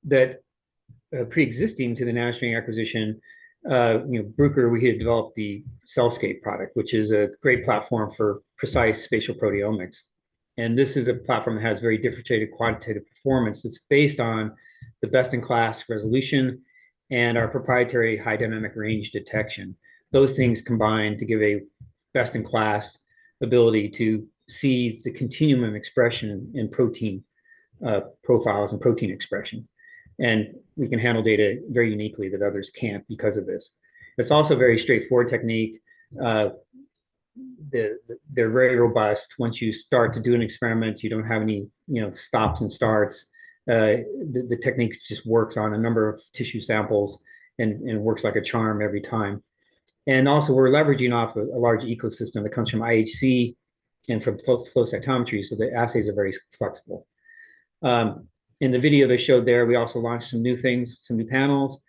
That pre-existing to the NanoString acquisition, you know, Bruker, we had developed the CellScape product, which is a great platform for precise spatial proteomics. And this is a platform that has very differentiated quantitative performance that's based on the best-in-class resolution and our proprietary high dynamic range detection. Those things combine to give a best-in-class ability to see the continuum of expression in protein profiles and protein expression. And we can handle data very uniquely that others can't because of this. It's also a very straightforward technique. They're very robust. Once you start to do an experiment, you don't have any, you know, stops and starts. The technique just works on a number of tissue samples and works like a charm every time. And also, we're leveraging off a large ecosystem that comes from IHC and from flow cytometry, so the assays are very flexible. In the video they showed there, we also launched some new things, some new panels,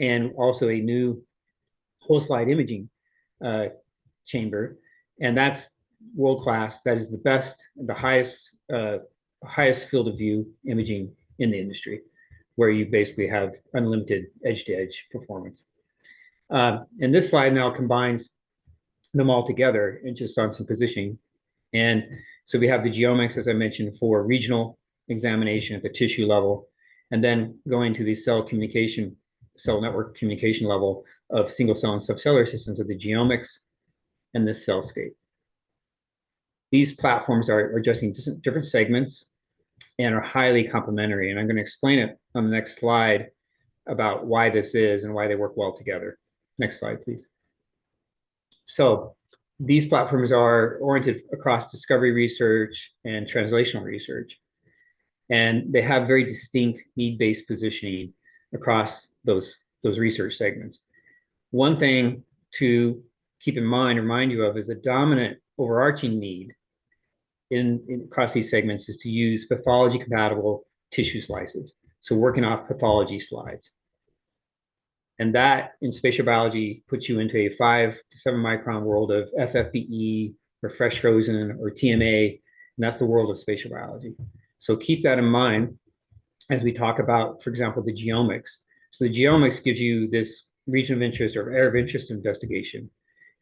and also a new whole slide imaging chamber, and that's world-class. That is the best, the highest field of view imaging in the industry, where you basically have unlimited edge-to-edge performance. And this slide now combines them all together and just on some positioning. And so we have the GeoMx, as I mentioned, for regional examination at the tissue level, and then going to the cell communication, cell network communication level of single-cell and subcellular systems of the GeoMx and the CellScape. These platforms are addressing different segments and are highly complementary, and I'm gonna explain it on the next slide about why this is and why they work well together. Next slide, please. So these platforms are oriented across discovery research and translational research, and they have very distinct need-based positioning across those, those research segments. One thing to keep in mind, remind you of, is the dominant, overarching need across these segments is to use pathology-compatible tissue slices. So working off pathology slides. And that, in spatial biology, puts you into a 5-7-micron world of FFPE or fresh frozen or TMA, and that's the world of spatial biology. So keep that in mind as we talk about, for example, the GeoMx. So the GeoMx gives you this region of interest or area of interest investigation,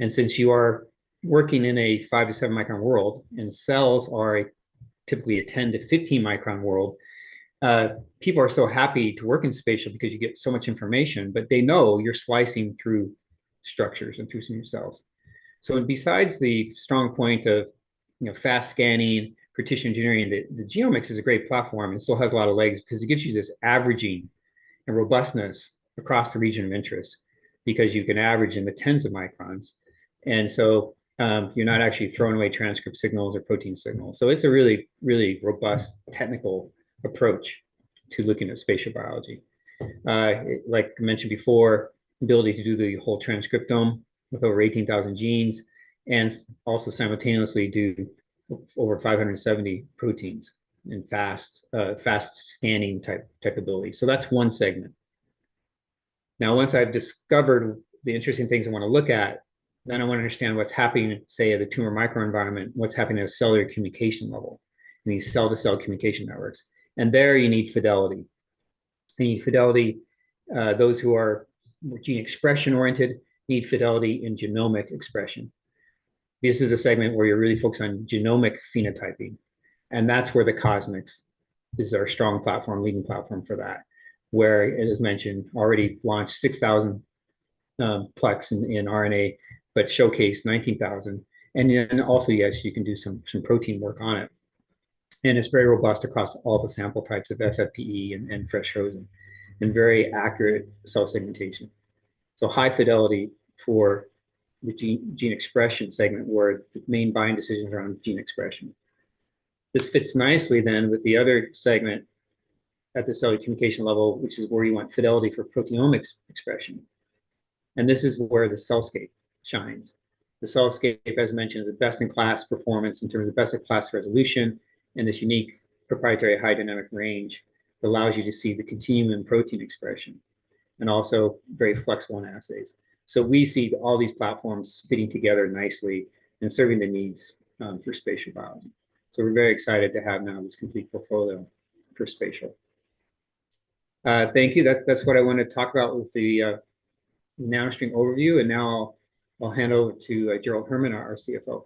and since you are working in a 5- to 7-micron world, and cells are typically a 10- to 15-micron world, people are so happy to work in spatial because you get so much information, but they know you're slicing through structures and through some cells. So besides the strong point of, you know, fast scanning, partition engineering, the, the GeoMx is a great platform and still has a lot of legs because it gives you this averaging and robustness across the region of interest, because you can average in the tens of microns. And so, you're not actually throwing away transcript signals or protein signals. So it's a really, really robust technical approach to looking at spatial biology. Like I mentioned before, the ability to do the whole transcriptome with over 18,000 genes and also simultaneously do over 570 proteins in fast, fast scanning type ability. So that's one segment. Now, once I've discovered the interesting things I want to look at, then I want to understand what's happening, say, at a tumor microenvironment, what's happening at a cellular communication level in these cell-to-cell communication networks. And there, you need fidelity. You need fidelity, those who are gene expression oriented need fidelity in genomic expression. This is a segment where you're really focused on genomic phenotyping, and that's where the CosMx is our strong platform, leading platform for that, where, as mentioned, already launched 6,000 plex in RNA, but showcase 19,000. Yes, you can do some protein work on it, and it's very robust across all the sample types of FFPE and fresh frozen, and very accurate cell segmentation. So high fidelity for the gene expression segment, where the main buying decisions are on gene expression. This fits nicely then with the other segment at the cellular communication level, which is where you want fidelity for proteomics expression, and this is where the CellScape shines. The CellScape, as mentioned, is a best-in-class performance in terms of best-in-class resolution, and this unique proprietary high dynamic range allows you to see the continuum in protein expression, and also very flexible in assays. So we see all these platforms fitting together nicely and serving the needs for spatial biology. So we're very excited to have now this complete portfolio for spatial. Thank you. That's, that's what I want to talk about with the NanoString overview, and now I'll hand over to Gerald Herman, our CFO.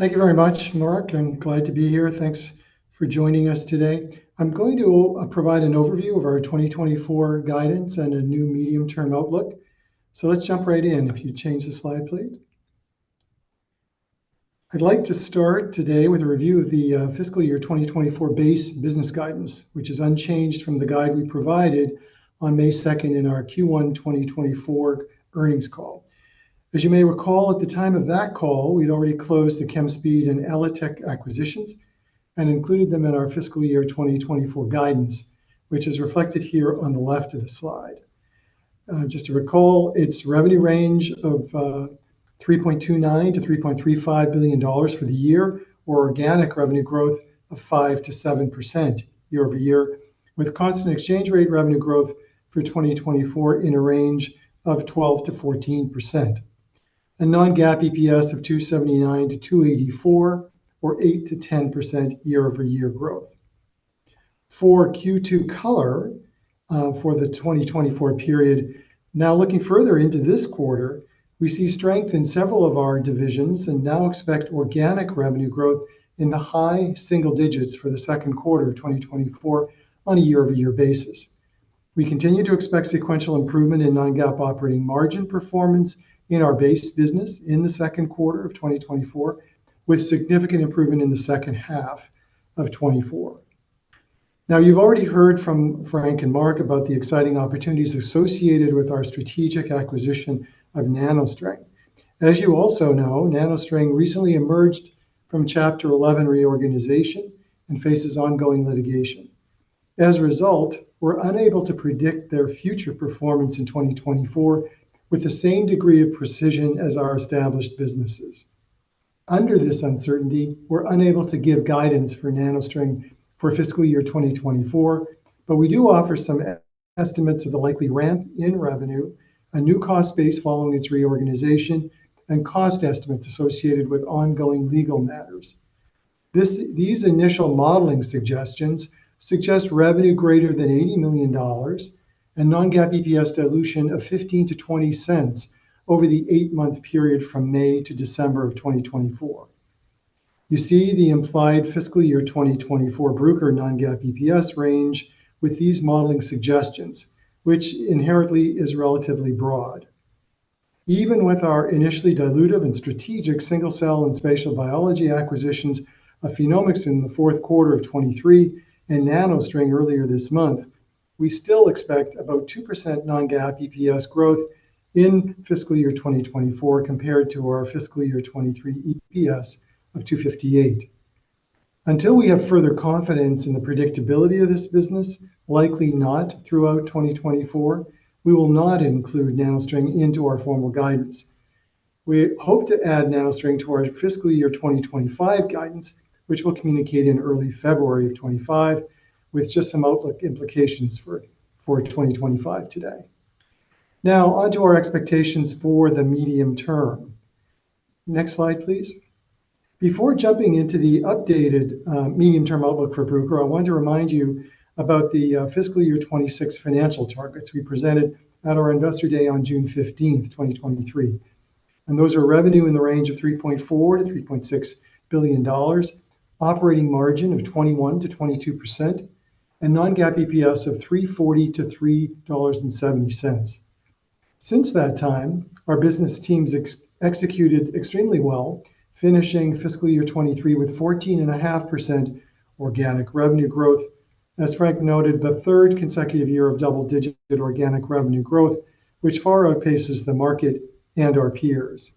Thank you very much, Mark. I'm glad to be here. Thanks for joining us today. I'm going to provide an overview of our 2024 guidance and a new medium-term outlook. So let's jump right in. If you change the slide, please. I'd like to start today with a review of the fiscal year 2024 base business guidance, which is unchanged from the guide we provided on May 2 in our Q1 2024 earnings call. As you may recall, at the time of that call, we'd already closed the Chemspeed and ELITech acquisitions and included them in our fiscal year 2024 guidance, which is reflected here on the left of the slide. Just to recall, its revenue range of $3.29 billion-$3.35 billion for the year, or organic revenue growth of 5%-7% year-over-year, with constant exchange rate revenue growth for 2024 in a range of 12%-14%. A non-GAAP EPS of $2.79-$2.84 or 8%-10% year-over-year growth. For Q2 color for the 2024 period, now, looking further into this quarter, we see strength in several of our divisions and now expect organic revenue growth in the high single digits for the second quarter of 2024 on a year-over-year basis. We continue to expect sequential improvement in non-GAAP operating margin performance in our base business in the second quarter of 2024, with significant improvement in the second half of 2024. Now, you've already heard from Frank and Mark about the exciting opportunities associated with our strategic acquisition of NanoString. As you also know, NanoString recently emerged from Chapter 11 reorganization and faces ongoing litigation. As a result, we're unable to predict their future performance in 2024 with the same degree of precision as our established businesses. Under this uncertainty, we're unable to give guidance for NanoString for fiscal year 2024, but we do offer some estimates of the likely ramp in revenue, a new cost base following its reorganization, and cost estimates associated with ongoing legal matters. These initial modeling suggestions suggest revenue greater than $80 million and non-GAAP EPS dilution of 15-20 cents over the eight-month period from May to December of 2024. You see the implied fiscal year 2024 Bruker non-GAAP EPS range with these modeling suggestions, which inherently is relatively broad. Even with our initially dilutive and strategic single-cell and spatial biology acquisitions of PhenomeX in the fourth quarter of 2023 and NanoString earlier this month, we still expect about 2% non-GAAP EPS growth in fiscal year 2024, compared to our fiscal year 2023 EPS of $2.58. Until we have further confidence in the predictability of this business, likely not throughout 2024, we will not include NanoString into our formal guidance. We hope to add NanoString to our fiscal year 2025 guidance, which we'll communicate in early February of 2025, with just some outlook implications for twenty twenty-five today. Now, on to our expectations for the medium term. Next slide, please. Before jumping into the updated, medium-term outlook for Bruker, I want to remind you about the, fiscal year 2026 financial targets we presented at our Investor Day on June 15, 2023, and those are revenue in the range of $3.4 billion-$3.6 billion, operating margin of 21%-22%, and non-GAAP EPS of $3.40-$3.70. Since that time, our business teams executed extremely well, finishing fiscal year 2023 with 14.5% organic revenue growth. As Frank noted, the third consecutive year of double-digit organic revenue growth, which far outpaces the market and our peers.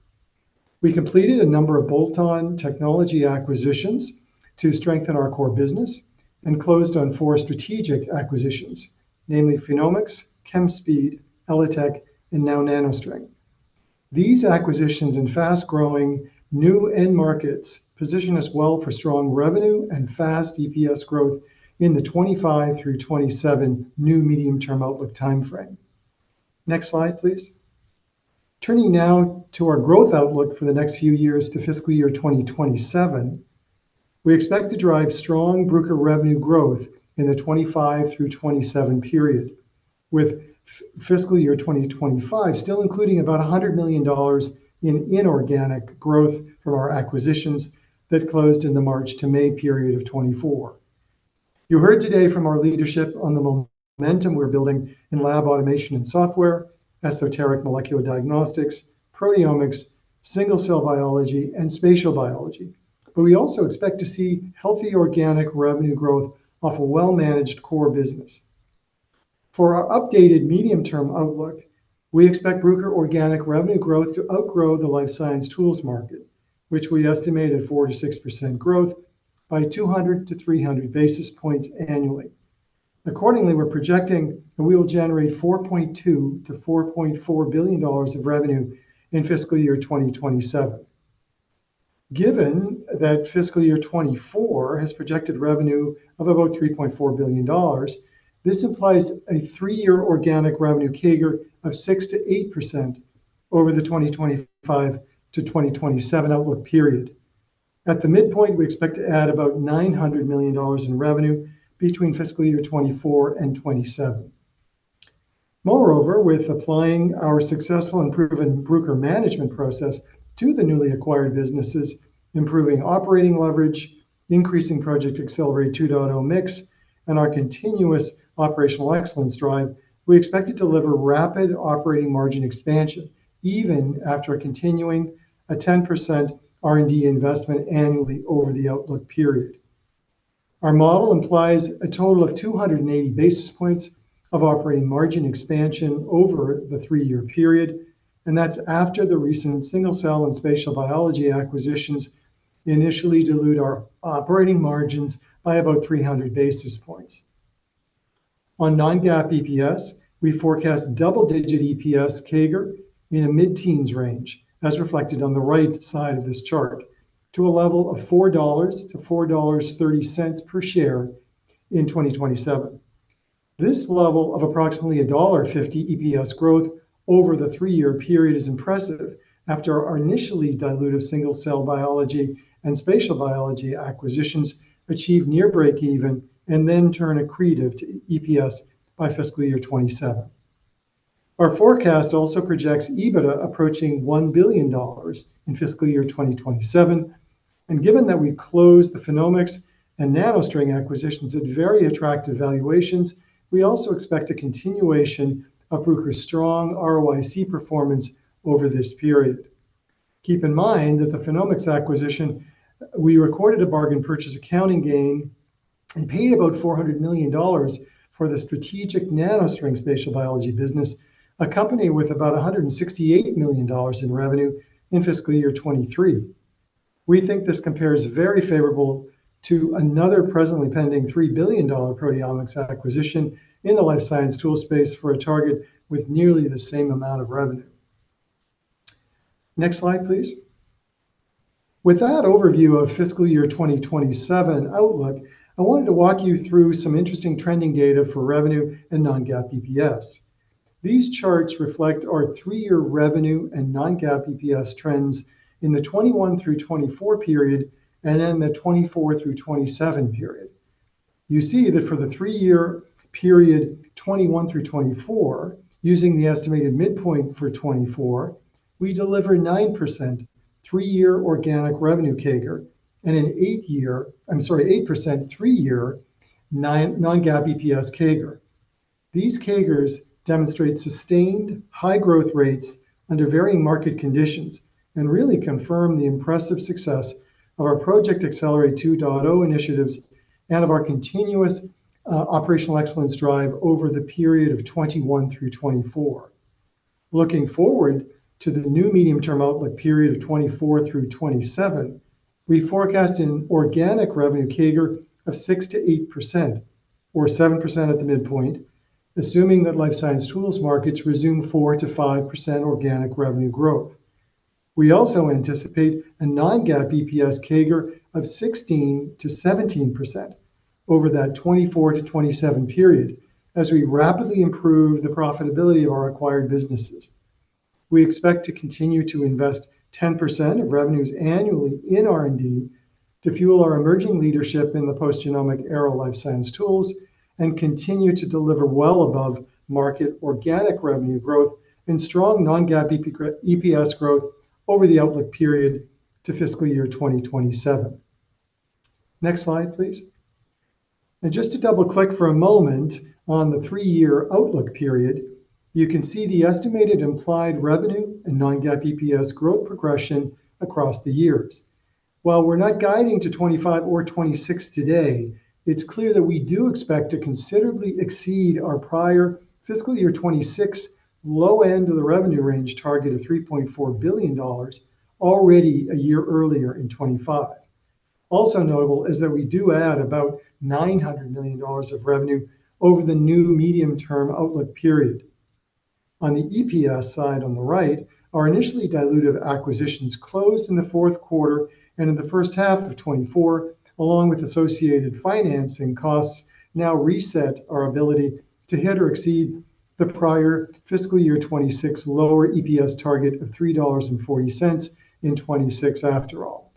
We completed a number of bolt-on technology acquisitions to strengthen our core business and closed on four strategic acquisitions, namely PhenomeX, Chemspeed, ELITechGroup, and now NanoString. These acquisitions in fast-growing new end markets position us well for strong revenue and fast EPS growth in the 2025 through 2027 new medium-term outlook timeframe. Next slide, please. Turning now to our growth outlook for the next few years to fiscal year 2027. We expect to drive strong Bruker revenue growth in the 2025 through 2027 period, with fiscal year 2025 still including about $100 million in inorganic growth from our acquisitions that closed in the March-May period of 2024. You heard today from our leadership on the momentum we're building in lab automation and software, esoteric molecular diagnostics, proteomics, single-cell biology, and spatial biology. But we also expect to see healthy organic revenue growth off a well-managed core business. For our updated medium-term outlook, we expect Bruker organic revenue growth to outgrow the life science tools market, which we estimate at 4%-6% growth by 200-300 basis points annually. Accordingly, we're projecting that we will generate $4.2 billion-$4.4 billion of revenue in fiscal year 2027. Given that fiscal year 2024 has projected revenue of about $3.4 billion, this implies a three-year organic revenue CAGR of 6%-8% over the 2025-2027 outlook period. At the midpoint, we expect to add about $900 million in revenue between fiscal year 2024 and 2027. Moreover, with applying our successful and proven Bruker management process to the newly acquired businesses, improving operating leverage, increasing Project Accelerate 2.0 mix, and our continuous operational excellence drive, we expect to deliver rapid operating margin expansion even after continuing a 10% R&D investment annually over the outlook period. Our model implies a total of 280 basis points of operating margin expansion over the 3-year period, and that's after the recent single-cell and spatial biology acquisitions initially dilute our operating margins by about 300 basis points. On non-GAAP EPS, we forecast double-digit EPS CAGR in a mid-teens range, as reflected on the right side of this chart, to a level of $4-$4.30 per share in 2027. This level of approximately $1.50 EPS growth over the 3-year period is impressive after our initially dilutive single-cell biology and spatial biology acquisitions achieve near breakeven and then turn accretive to EPS by fiscal year 2027. Our forecast also projects EBITDA approaching $1 billion in fiscal year 2027, and given that we closed the PhenomeX and NanoString acquisitions at very attractive valuations, we also expect a continuation of Bruker's strong ROIC performance over this period. Keep in mind that the PhenomeX acquisition, we recorded a bargain purchase accounting gain and paid about $400 million for the strategic NanoString spatial biology business, a company with about $168 million in revenue in fiscal year 2023. We think this compares very favorable to another presently pending $3 billion proteomics acquisition in the life science tool space for a target with nearly the same amount of revenue. Next slide, please. With that overview of fiscal year 2027 outlook, I wanted to walk you through some interesting trending data for revenue and non-GAAP EPS. These charts reflect our three-year revenue and non-GAAP EPS trends in the 2021-2024 period and in the 2024-2027 period. You see that for the three-year period, 2021-2024, using the estimated midpoint for 2024, we deliver 9% three-year organic revenue CAGR and an 8% three-year non-GAAP EPS CAGR. These CAGRs demonstrate sustained high growth rates under varying market conditions and really confirm the impressive success of our Project Accelerate 2.0 initiatives and of our continuous, operational excellence drive over the period of 2021-2024. Looking forward to the new medium-term outlook period of 2024-2027, we forecast an organic revenue CAGR of 6%-8% or 7% at the midpoint, assuming that life science tools markets resume 4%-5% organic revenue growth. We also anticipate a non-GAAP EPS CAGR of 16%-17% over that 2024-2027 period, as we rapidly improve the profitability of our acquired businesses. We expect to continue to invest 10% of revenues annually in R&D to fuel our emerging leadership in the post-genomic era life science tools, and continue to deliver well above market organic revenue growth and strong non-GAAP EPS growth over the outlook period to fiscal year 2027. Next slide, please. Just to double-click for a moment on the three-year outlook period, you can see the estimated implied revenue and non-GAAP EPS growth progression across the years. While we're not guiding to 2025 or 2026 today, it's clear that we do expect to considerably exceed our prior fiscal year 2026 low end of the revenue range target of $3.4 billion already a year earlier in 2025. Also notable is that we do add about $900 million of revenue over the new medium-term outlook period. On the EPS side, on the right, our initially dilutive acquisitions closed in the fourth quarter and in the first half of 2024, along with associated financing costs, now reset our ability to hit or exceed the prior fiscal year 2026 lower EPS target of $3.40 in 2026 after all.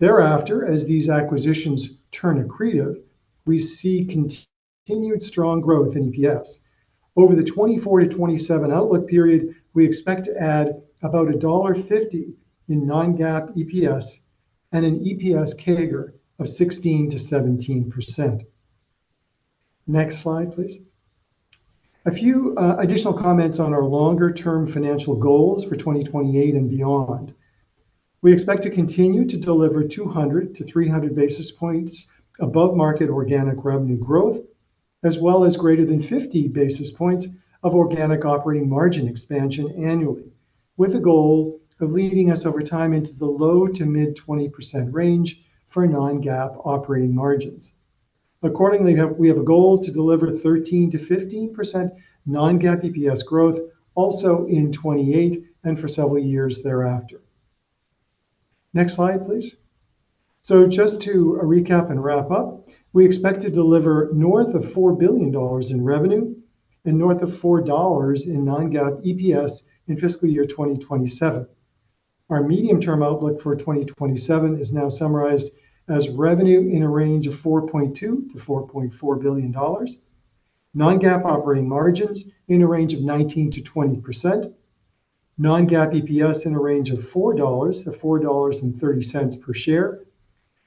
Thereafter, as these acquisitions turn accretive, we see continued strong growth in EPS. Over the 2024-2027 outlook period, we expect to add about $1.50 in non-GAAP EPS and an EPS CAGR of 16%-17%. Next slide, please. A few additional comments on our longer-term financial goals for 2028 and beyond. We expect to continue to deliver 200-300 basis points above market organic revenue growth, as well as greater than 50 basis points of organic operating margin expansion annually, with a goal of leading us over time into the low to mid-20% range for non-GAAP operating margins. Accordingly, we have a goal to deliver 13%-15% non-GAAP EPS growth also in 2028 and for several years thereafter. Next slide, please. So just to recap and wrap up, we expect to deliver north of $4 billion in revenue and north of $4 in non-GAAP EPS in fiscal year 2027. Our medium-term outlook for 2027 is now summarized as revenue in a range of $4.2 billion-$4.4 billion, non-GAAP operating margins in a range of 19%-20%, non-GAAP EPS in a range of $4-$4.30 per share,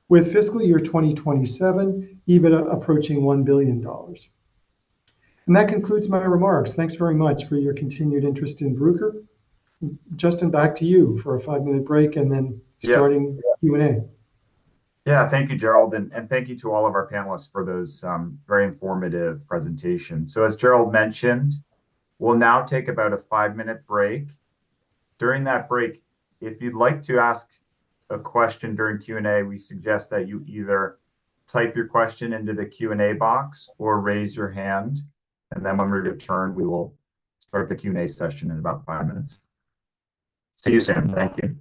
with fiscal year 2027 EBITDA approaching $1 billion. And that concludes my remarks. Thanks very much for your continued interest in Bruker. Justin, back to you for a five-minute break and then- Yeah. Starting the Q&A. Yeah. Thank you, Gerald, and thank you to all of our panelists for those very informative presentations. So as Gerald mentioned, we'll now take about a five-minute break. During that break, if you'd like to ask a question during Q&A, we suggest that you either type your question into the Q&A box or raise your hand, and then when we return, we will start the Q&A session in about five minutes. See you soon. Thank you.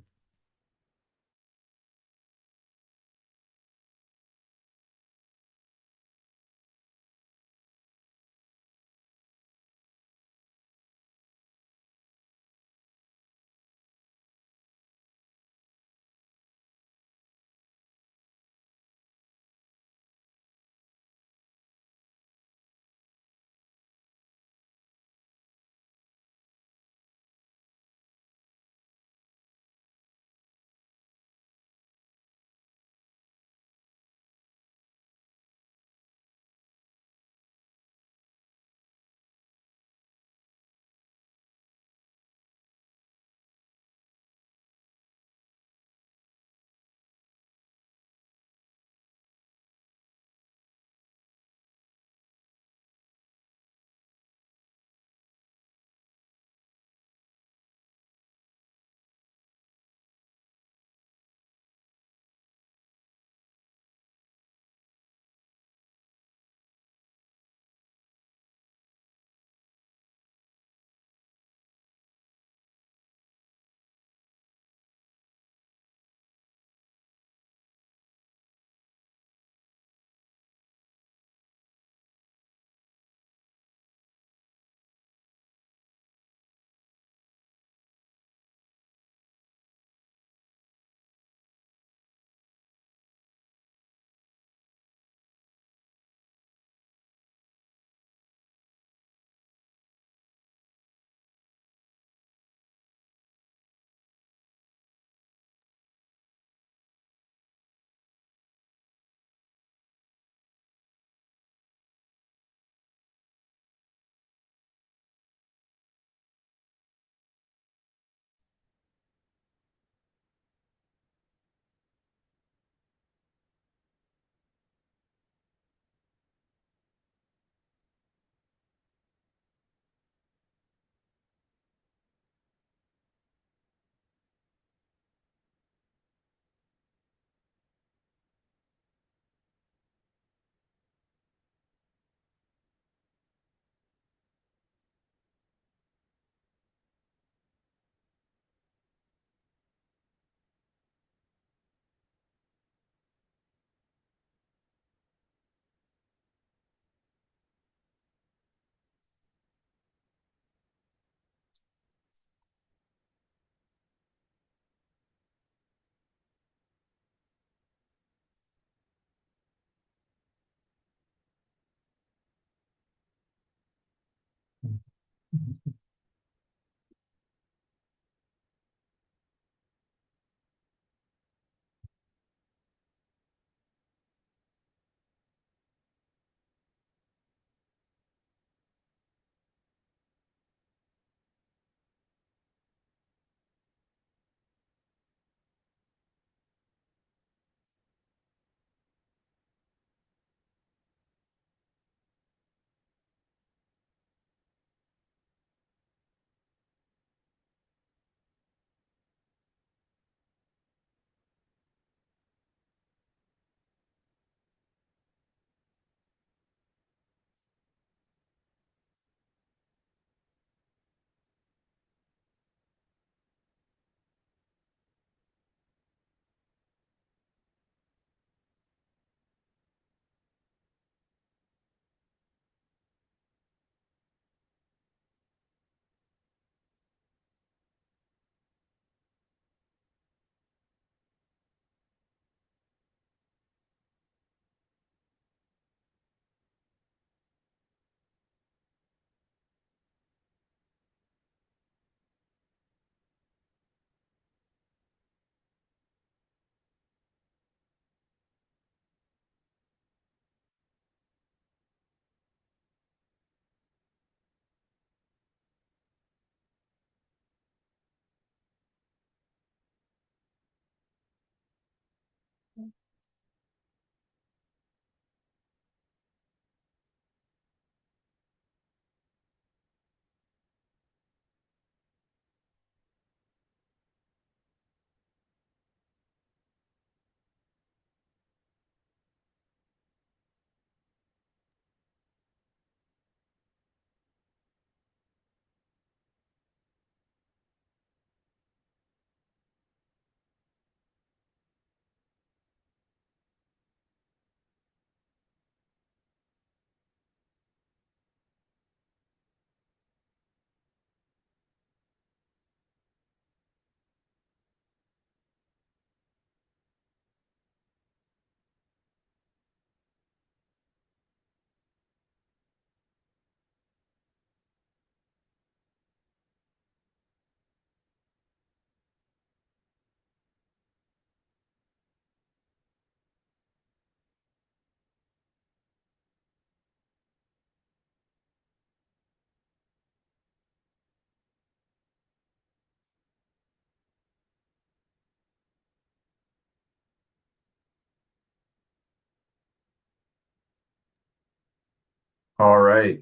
All right.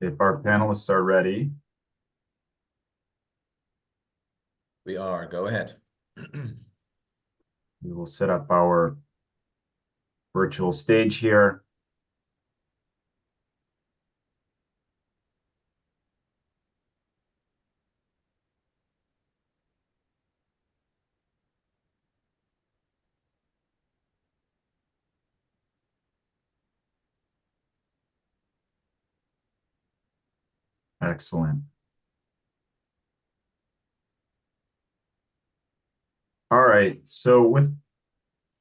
If our panelists are ready? We are. Go ahead. We will set up our virtual stage here. Excellent. All right, so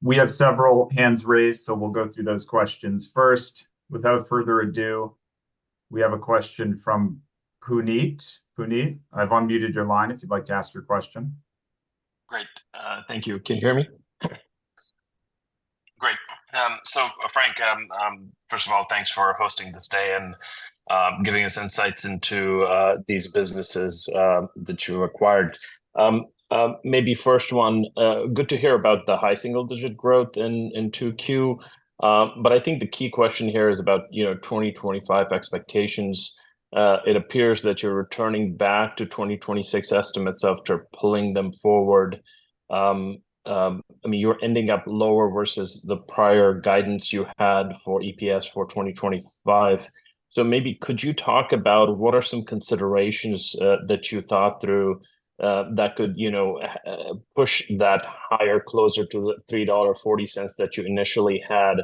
we have several hands raised, so we'll go through those questions first. Without further ado, we have a question from Puneet. Puneet, I've unmuted your line if you'd like to ask your question. Great, thank you. Can you hear me? Great. So Frank, first of all, thanks for hosting this day and, giving us insights into, these businesses, that you acquired. Maybe first one, good to hear about the high single-digit growth in, in 2Q, but I think the key question here is about, you know, 2025 expectations. It appears that you're returning back to 2026 estimates after pulling them forward. I mean, you're ending up lower versus the prior guidance you had for EPS for 2025. So maybe could you talk about what are some considerations that you thought through that could, you know, push that higher, closer to $3.40 that you initially had,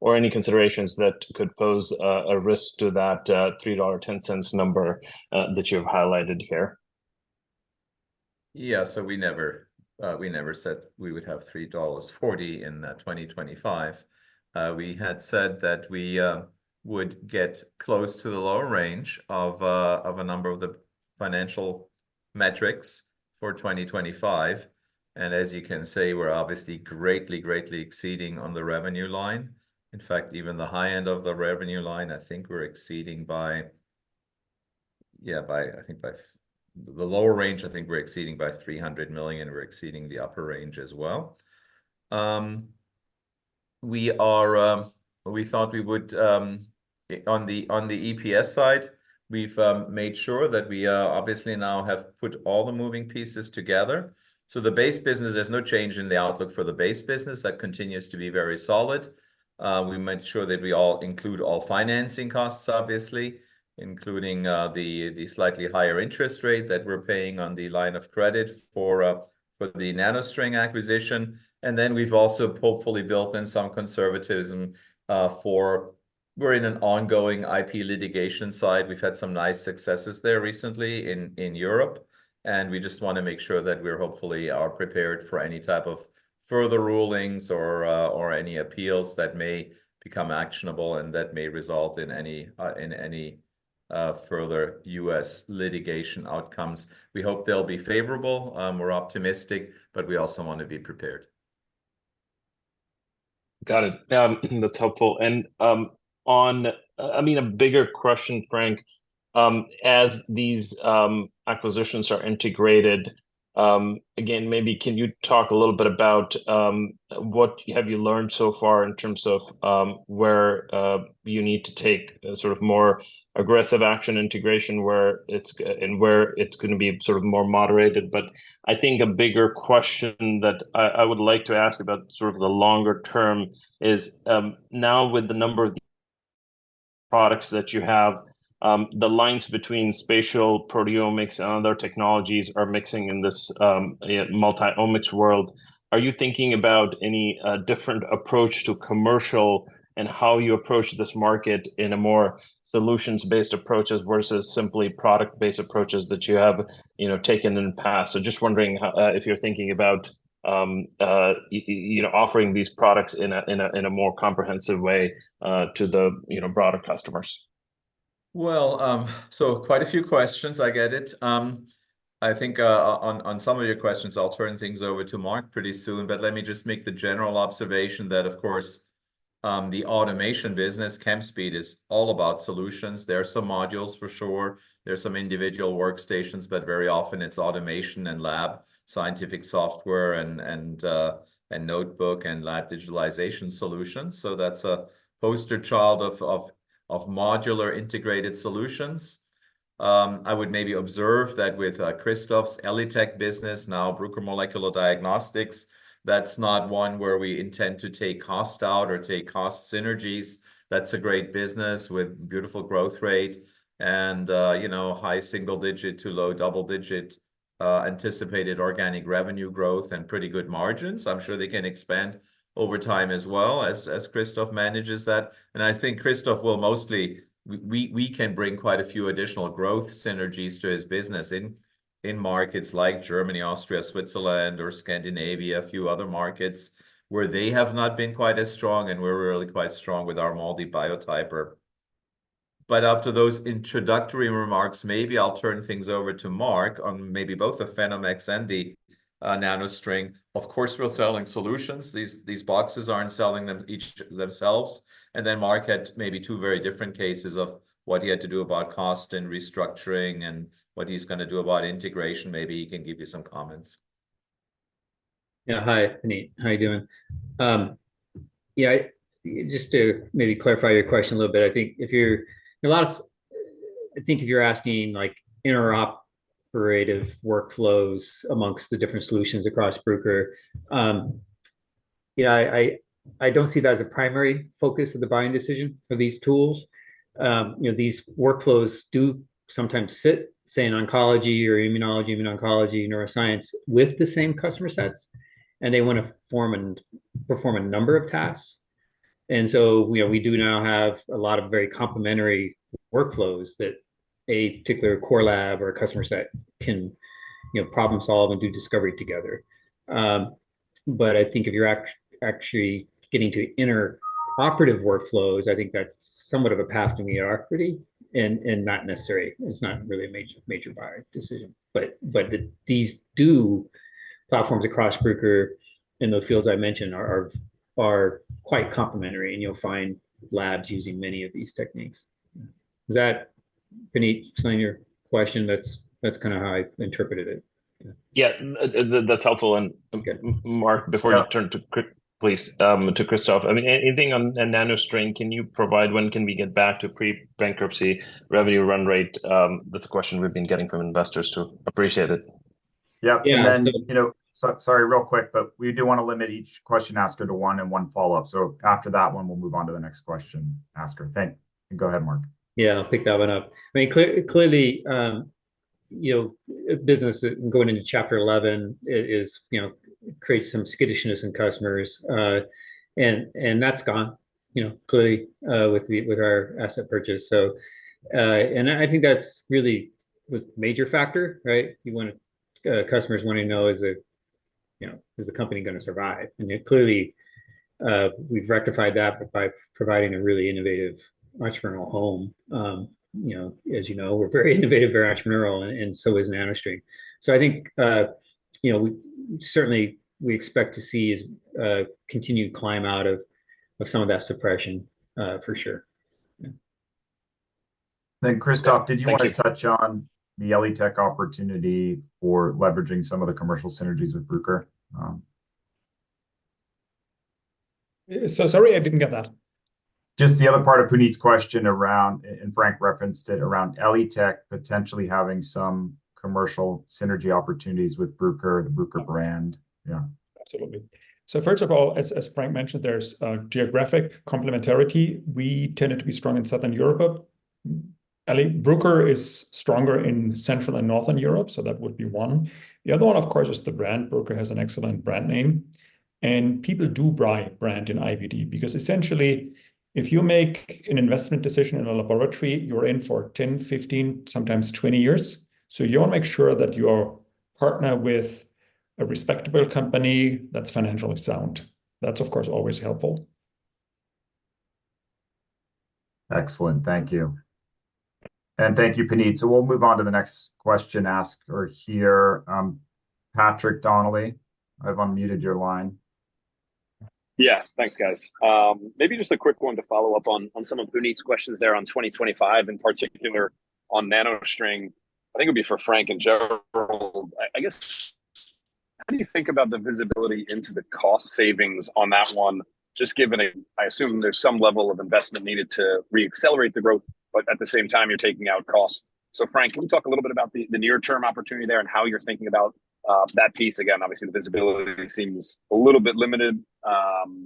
or any considerations that could pose a risk to that $3.10 number that you've highlighted here? Yeah. So we never, we never said we would have $3.40 in 2025. We had said that we would get close to the lower range of a number of the financial metrics for 2025, and as you can see, we're obviously greatly, greatly exceeding on the revenue line. In fact, even the high end of the revenue line, I think we're exceeding by the lower range, I think we're exceeding by $300 million, and we're exceeding the upper range as well. We are, we thought we would, on the EPS side, we've made sure that we are obviously now have put all the moving pieces together. So the base business, there's no change in the outlook for the base business. That continues to be very solid. We made sure that we all include all financing costs, obviously, including the slightly higher interest rate that we're paying on the line of credit for the NanoString acquisition. And then we've also hopefully built in some conservatism for we're in an ongoing IP litigation side. We've had some nice successes there recently in Europe, and we just want to make sure that we're hopefully are prepared for any type of further rulings or any appeals that may become actionable and that may result in any further U.S. litigation outcomes. We hope they'll be favorable. We're optimistic, but we also want to be prepared. Got it. That's helpful. And, on, I mean, a bigger question, Frank, as these acquisitions are integrated, again, maybe can you talk a little bit about what have you learned so far in terms of where you need to take a sort of more aggressive action integration, where it's gonna be sort of more moderated? But I think a bigger question that I would like to ask about sort of the longer term is, now with the number of the products that you have The lines between spatial proteomics and other technologies are mixing in this, yeah, multi-omics world. Are you thinking about any different approach to commercial and how you approach this market in a more solutions-based approaches versus simply product-based approaches that you have, you know, taken in the past? Just wondering how, if you're thinking about, you know, offering these products in a more comprehensive way, to the, you know, broader customers? Well, so quite a few questions, I get it. I think, on some of your questions, I'll turn things over to Mark pretty soon. But let me just make the general observation that, of course, the automation business, Chemspeed, is all about solutions. There are some modules, for sure, there are some individual workstations, but very often it's automation and lab scientific software, and notebook, and lab digitalization solutions. So that's a poster child of modular integrated solutions. I would maybe observe that with Christoph's ELITech business, now Bruker Molecular Diagnostics, that's not one where we intend to take cost out or take cost synergies. That's a great business with beautiful growth rate and, you know, high single digit to low double digit anticipated organic revenue growth and pretty good margins. I'm sure they can expand over time as well, as Christoph manages that. And I think Christoph will mostly We can bring quite a few additional growth synergies to his business in markets like Germany, Austria, Switzerland, or Scandinavia, a few other markets where they have not been quite as strong, and we're really quite strong with our MALDI Biotyper. But after those introductory remarks, maybe I'll turn things over to Mark on maybe both the PhenomeX and the NanoString. Of course, we're selling solutions. These boxes aren't selling them each themselves. And then Mark had maybe two very different cases of what he had to do about cost and restructuring, and what he's going to do about integration. Maybe he can give you some comments. Yeah. Hi, Puneet. How are you doing? Yeah, just to maybe clarify your question a little bit, I think if you're asking, like, interoperable workflows amongst the different solutions across Bruker, yeah, I don't see that as a primary focus of the buying decision for these tools. You know, these workflows do sometimes sit, say, in oncology or immunology, even oncology, neuroscience with the same customer sets, and they want to form and perform a number of tasks. And so, you know, we do now have a lot of very complementary workflows that a particular core lab or a customer set can, you know, problem solve and do discovery together. But I think if you're actually getting to interoperable workflows, I think that's somewhat of a path to mediocrity, and not necessary. It's not really a major, major buyer decision. But these platforms across Bruker in the fields I mentioned are quite complementary, and you'll find labs using many of these techniques. Does that, Puneet, explain your question? That's kind of how I interpreted it. Yeah. Yeah. That's helpful. And Okay Mark, before you turn to Christoph, please, to Christoph, I mean, anything on, on NanoString, can you provide when can we get back to pre-bankruptcy revenue run rate? That's a question we've been getting from investors, too. Appreciate it. Yeah. Yeah. And then, you know, so sorry, real quick, but we do want to limit each question asker to one and one follow-up. So after that one, we'll move on to the next question asker. Thank you. Go ahead, Mark. Yeah, I'll pick that one up. I mean, clearly, you know, business going into Chapter 11, it is, you know, creates some skittishness in customers, and that's gone, you know, clearly, with our asset purchase. So, and I think that's really was the major factor, right? You want, customers want to know, is it, you know, is the company going to survive? And, yeah, clearly, we've rectified that by providing a really innovative, entrepreneurial home. You know, as you know, we're very innovative, very entrepreneurial, and so is NanoString. So I think, you know, we certainly expect to see continued climb out of some of that suppression, for sure. Yeah. Then, Christoph Thank you Did you want to touch on the ELITech opportunity for leveraging some of the commercial synergies with Bruker? So sorry, I didn't get that. Just the other part of Puneet's question around, and Frank referenced it, around ELITech potentially having some commercial synergy opportunities with Bruker, the Bruker brand. Okay. Yeah. Absolutely. So first of all, as Frank mentioned, there's a geographic complementarity. We tended to be strong in Southern Europe. ELITechGroup - Bruker is stronger in Central and Northern Europe, so that would be one. The other one, of course, is the brand. Bruker has an excellent brand name, and people do buy brand in IVD, because essentially, if you make an investment decision in a laboratory, you're in for 10, 15, sometimes 20 years. So you want to make sure that you are partnered with a respectable company that's financially sound. That's, of course, always helpful. Excellent. Thank you. And thank you, Puneet. So we'll move on to the next question asked or here, Patrick Donnelly. I've unmuted your line. Yes. Thanks, guys. Maybe just a quick one to follow up on some of Puneet's questions there on 2025, in particular on NanoString. I think it'd be for Frank and Gerald. I guess, how do you think about the visibility into the cost savings on that one? Just given a I assume there's some level of investment needed to re-accelerate the growth but at the same time, you're taking out costs. So Frank, can you talk a little bit about the near-term opportunity there and how you're thinking about that piece? Again, obviously, the visibility seems a little bit limited.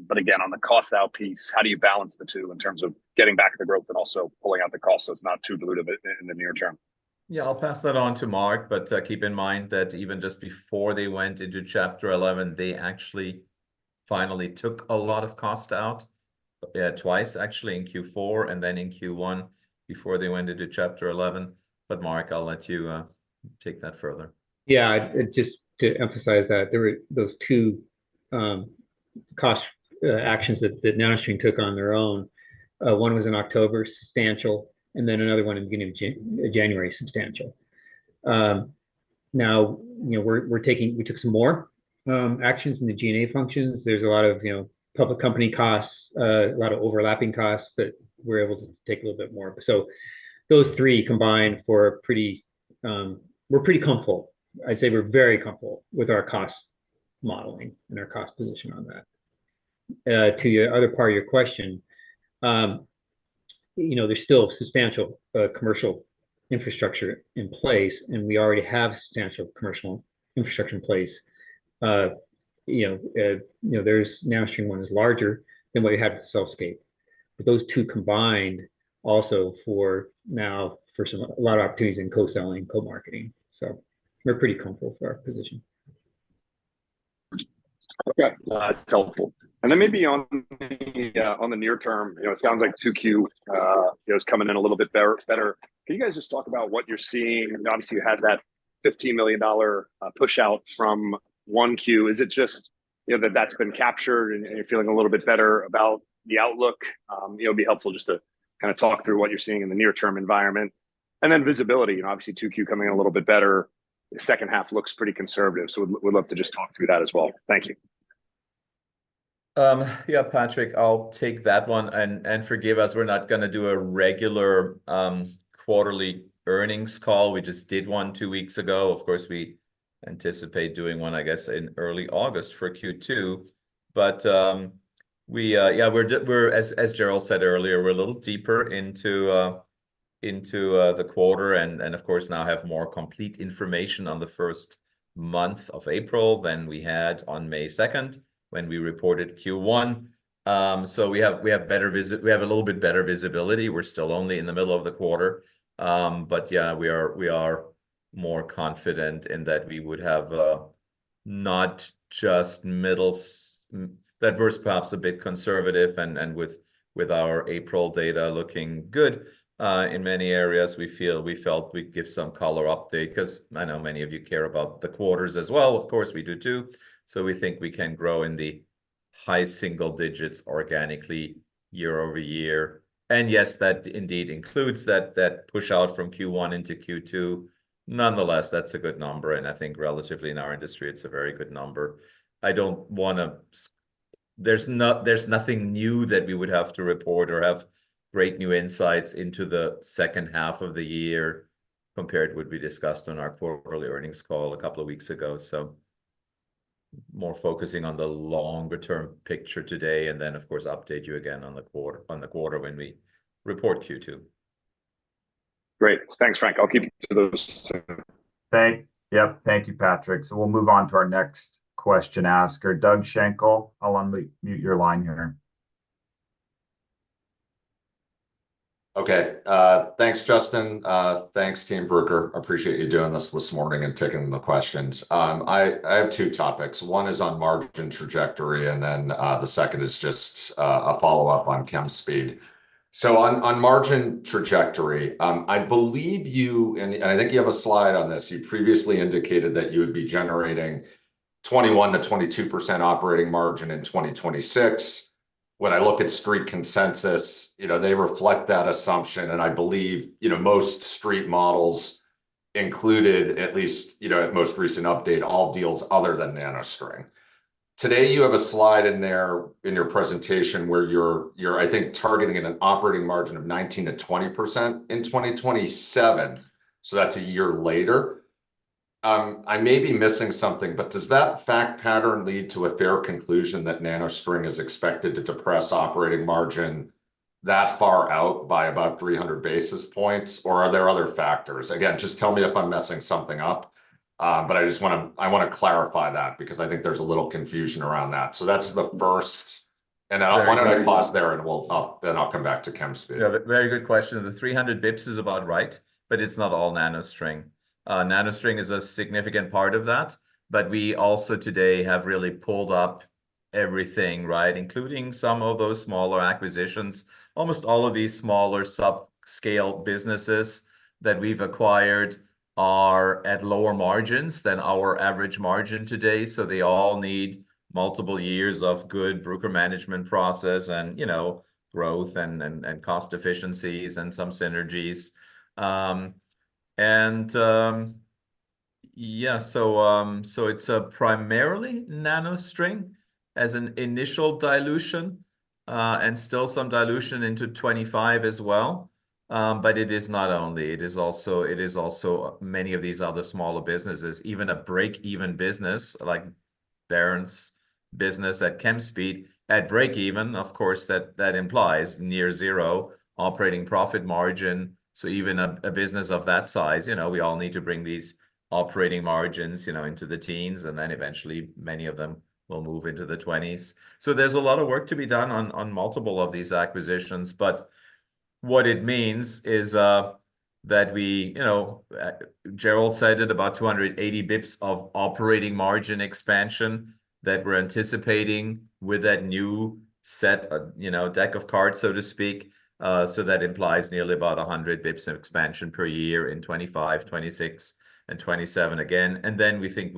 But again, on the cost-out piece, how do you balance the two in terms of getting back the growth and also pulling out the cost, so it's not too dilutive in the near term? Yeah, I'll pass that on to Mark, but keep in mind that even just before they went into Chapter 11, they actually finally took a lot of cost out. Yeah, twice actually, in Q4 and then in Q1, before they went into Chapter 11. But Mark, I'll let you take that further. Yeah, just to emphasize that, there were those two cost actions that NanoString took on their own. One was in October, substantial, and then another one in the beginning of January, substantial. Now, you know, we took some more actions in the G&A functions. There's a lot of, you know, public company costs, a lot of overlapping costs that we're able to take a little bit more. So those three combined for pretty. We're pretty comfortable. I'd say we're very comfortable with our cost modeling and our cost position on that. To your other part of your question, you know, there's still substantial commercial infrastructure in place, and we already have substantial commercial infrastructure in place. You know, NanoString one is larger than what you have at CellScape. But those two combined also for now, a lot of opportunities in co-selling, co-marketing. So we're pretty comfortable with our position. Okay. It's helpful. And then maybe on the near term, you know, it sounds like 2Q, you know, is coming in a little bit better. Can you guys just talk about what you're seeing? And obviously, you had that $15 million push-out from 1Q. Is it just, you know, that that's been captured and you're feeling a little bit better about the outlook? It'll be helpful just to kind of talk through what you're seeing in the near-term environment. And then visibility, you know, obviously 2Q coming in a little bit better, the second half looks pretty conservative, so we'd love to just talk through that as well. Thank you. Yeah, Patrick, I'll take that one. And forgive us, we're not gonna do a regular quarterly earnings call. We just did one two weeks ago. Of course, we anticipate doing one, I guess, in early August for Q2. Yeah, we're, as Gerald said earlier, we're a little deeper into the quarter, and of course, now have more complete information on the first month of April than we had on May 2nd when we reported Q1. So we have a little bit better visibility. We're still only in the middle of the quarter. But yeah, we are, we are more confident in that we would have not just mid single—that was perhaps a bit conservative, and with our April data looking good in many areas, we feel, we felt we'd give some color update, 'cause I know many of you care about the quarters as well. Of course, we do, too. So we think we can grow in the high single digits organically year-over-year. And yes, that indeed includes that, that push out from Q1 into Q2. Nonetheless, that's a good number, and I think relatively in our industry, it's a very good number. I don't want to there's not there's nothing new that we would have to report or have great new insights into the second half of the year compared what we discussed on our quarterly earnings call a couple of weeks ago. So, more focusing on the longer-term picture today, and then, of course, update you again on the quarter when we report Q2. Great. Thanks, Frank. I'll keep to those soon. Yep. Thank you, Patrick. So we'll move on to our next question asker. Doug Schenkel, I'll unmute your line here. Okay. Thanks, Justin. Thanks, Team Bruker. Appreciate you doing this this morning and taking the questions. I have two topics. One is on margin trajectory, and then the second is just a follow-up on Chemspeed. So on margin trajectory, I believe you, and I think you have a slide on this, you previously indicated that you would be generating 21%-22% operating margin in 2026. When I look at Street consensus, you know, they reflect that assumption, and I believe, you know, most Street models included at least, you know, at most recent update, all deals other than NanoString. Today, you have a slide in there in your presentation where you're, I think, targeting at an operating margin of 19%-20% in 2027. So that's a year later. I may be missing something, but does that fact pattern lead to a fair conclusion that NanoString is expected to depress operating margin that far out by about 300 basis points, or are there other factors? Again, just tell me if I'm messing something up. But I just wanna, I wanna clarify that, because I think there's a little confusion around that. So that's the first- Very, very- And I wanna pause there, and then I'll come back to Chemspeed. Yeah, very good question. The 300 basis points is about right, but it's not all NanoString. NanoString is a significant part of that, but we also today have really pulled up everything, right? Including some of those smaller acquisitions. Almost all of these smaller sub-scale businesses that we've acquired are at lower margins than our average margin today, so they all need multiple years of good Bruker management process and, you know, growth and cost efficiencies and some synergies. So it's primarily NanoString as an initial dilution, and still some dilution into 2025 as well. But it is not only, it is also many of these other smaller businesses. Even a break-even business, Bernd's business at Chemspeed at breakeven, of course, that implies near zero operating profit margin. So even a business of that size, you know, we all need to bring these operating margins, you know, into the teens, and then eventually many of them will move into the twenties. So there's a lot of work to be done on multiple of these acquisitions. But what it means is that we, you know, Gerald cited about 280 basis points of operating margin expansion that we're anticipating with that new set, you know, deck of cards, so to speak. So that implies nearly about 100 basis points of expansion per year in 2025, 2026, and 2027 again And then we think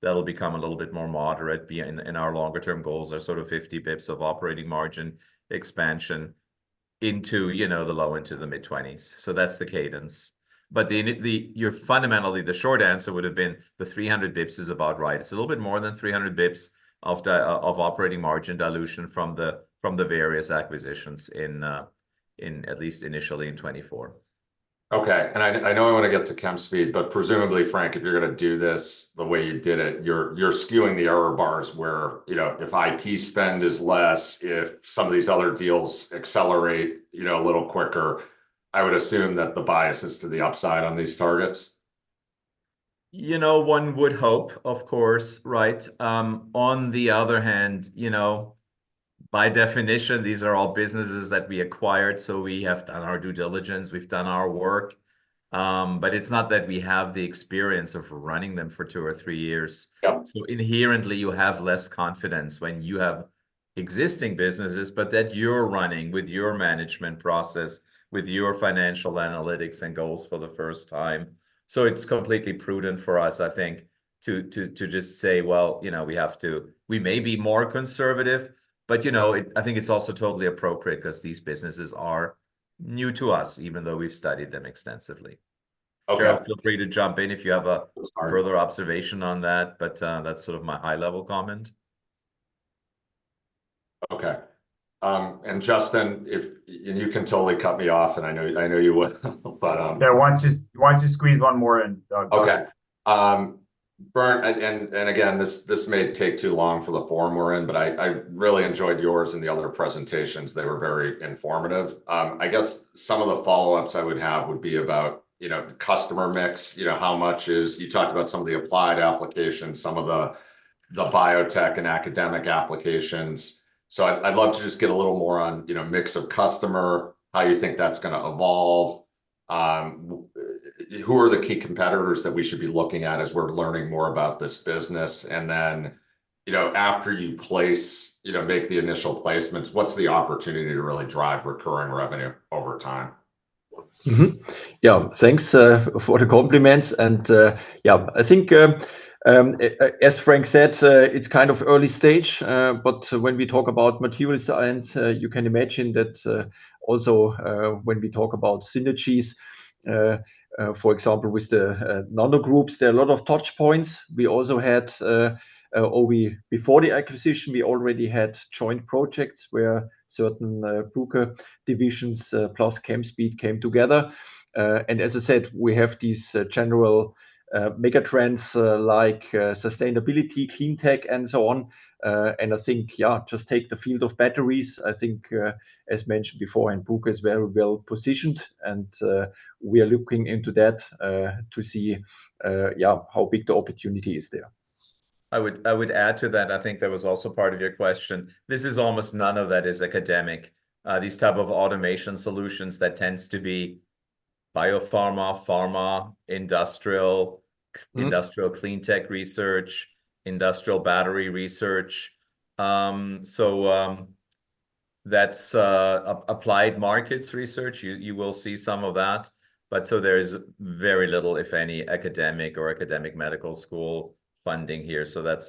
that'll become a little bit more moderate. In our longer-term goals are sort of 50 basis points of operating margin expansion into, you know, the low into the mid-twenties. So that's the cadence. But the, I mean, the, you're fundamentally, the short answer would've been, the 300 basis points is about right. It's a little bit more than 300 basis points of the, of operating margin dilution from the, from the various acquisitions in, in at least initially in 2024. Okay. And I know I want to get to Chemspeed, but presumably, Frank, if you're gonna do this the way you did it, you're skewing the error bars where, you know, if IP spend is less, if some of these other deals accelerate, you know, a little quicker, I would assume that the bias is to the upside on these targets? You know, one would hope, of course, right? On the other hand, you know, by definition, these are all businesses that we acquired, so we have done our due diligence, we've done our work, but it's not that we have the experience of running them for two or three years. Yeah. So inherently, you have less confidence when you have existing businesses, but that you're running with your management process, with your financial analytics and goals for the first time. So it's completely prudent for us, I think, to just say, "Well, you know, we have to " We may be more conservative, but, you know, it, I think it's also totally appropriate 'cause these businesses are new to us, even though we've studied them extensively. Okay. Gerald, feel free to jump in if you have a- Sure further observation on that, but that's sort of my high-level comment. Okay. And Justin, if and you can totally cut me off, and I know, I know you would, but, Yeah, why don't you, why don't you squeeze one more in, Doug? Okay. Bernd, and again, this may take too long for the forum we're in, but I really enjoyed yours and the other presentations. They were very informative. I guess some of the follow-ups I would have would be about, you know, customer mix. You know, how much is you talked about some of the applied applications, some of the biotech and academic applications. So I'd love to just get a little more on, you know, mix of customer, how you think that's gonna evolve. Who are the key competitors that we should be looking at as we're learning more about this business? And then, you know, after you place- you know, make the initial placements, what's the opportunity to really drive recurring revenue over time? Yeah. Thanks for the compliments, and yeah, I think, as Frank said, it's kind of early stage, but when we talk about material science, you can imagine that also, when we talk about synergies, for example, with the nano groups, there are a lot of touch points. We also had, or before the acquisition, we already had joint projects where certain Bruker divisions plus ChemSpeed came together. And as I said, we have these general mega trends, like sustainability, clean tech, and so on. And I think, yeah, just take the field of batteries, I think, as mentioned before, and Bruker is very well positioned, and we are looking into that, to see yeah, how big the opportunity is there. I would, I would add to that, I think that was also part of your question. This is almost none of that is academic. These type of automation solutions, that tends to be biopharma, pharma, industrial industrial clean tech research, industrial battery research. So that's applied markets research. You will see some of that, but so there's very little, if any, academic or medical school funding here. So that's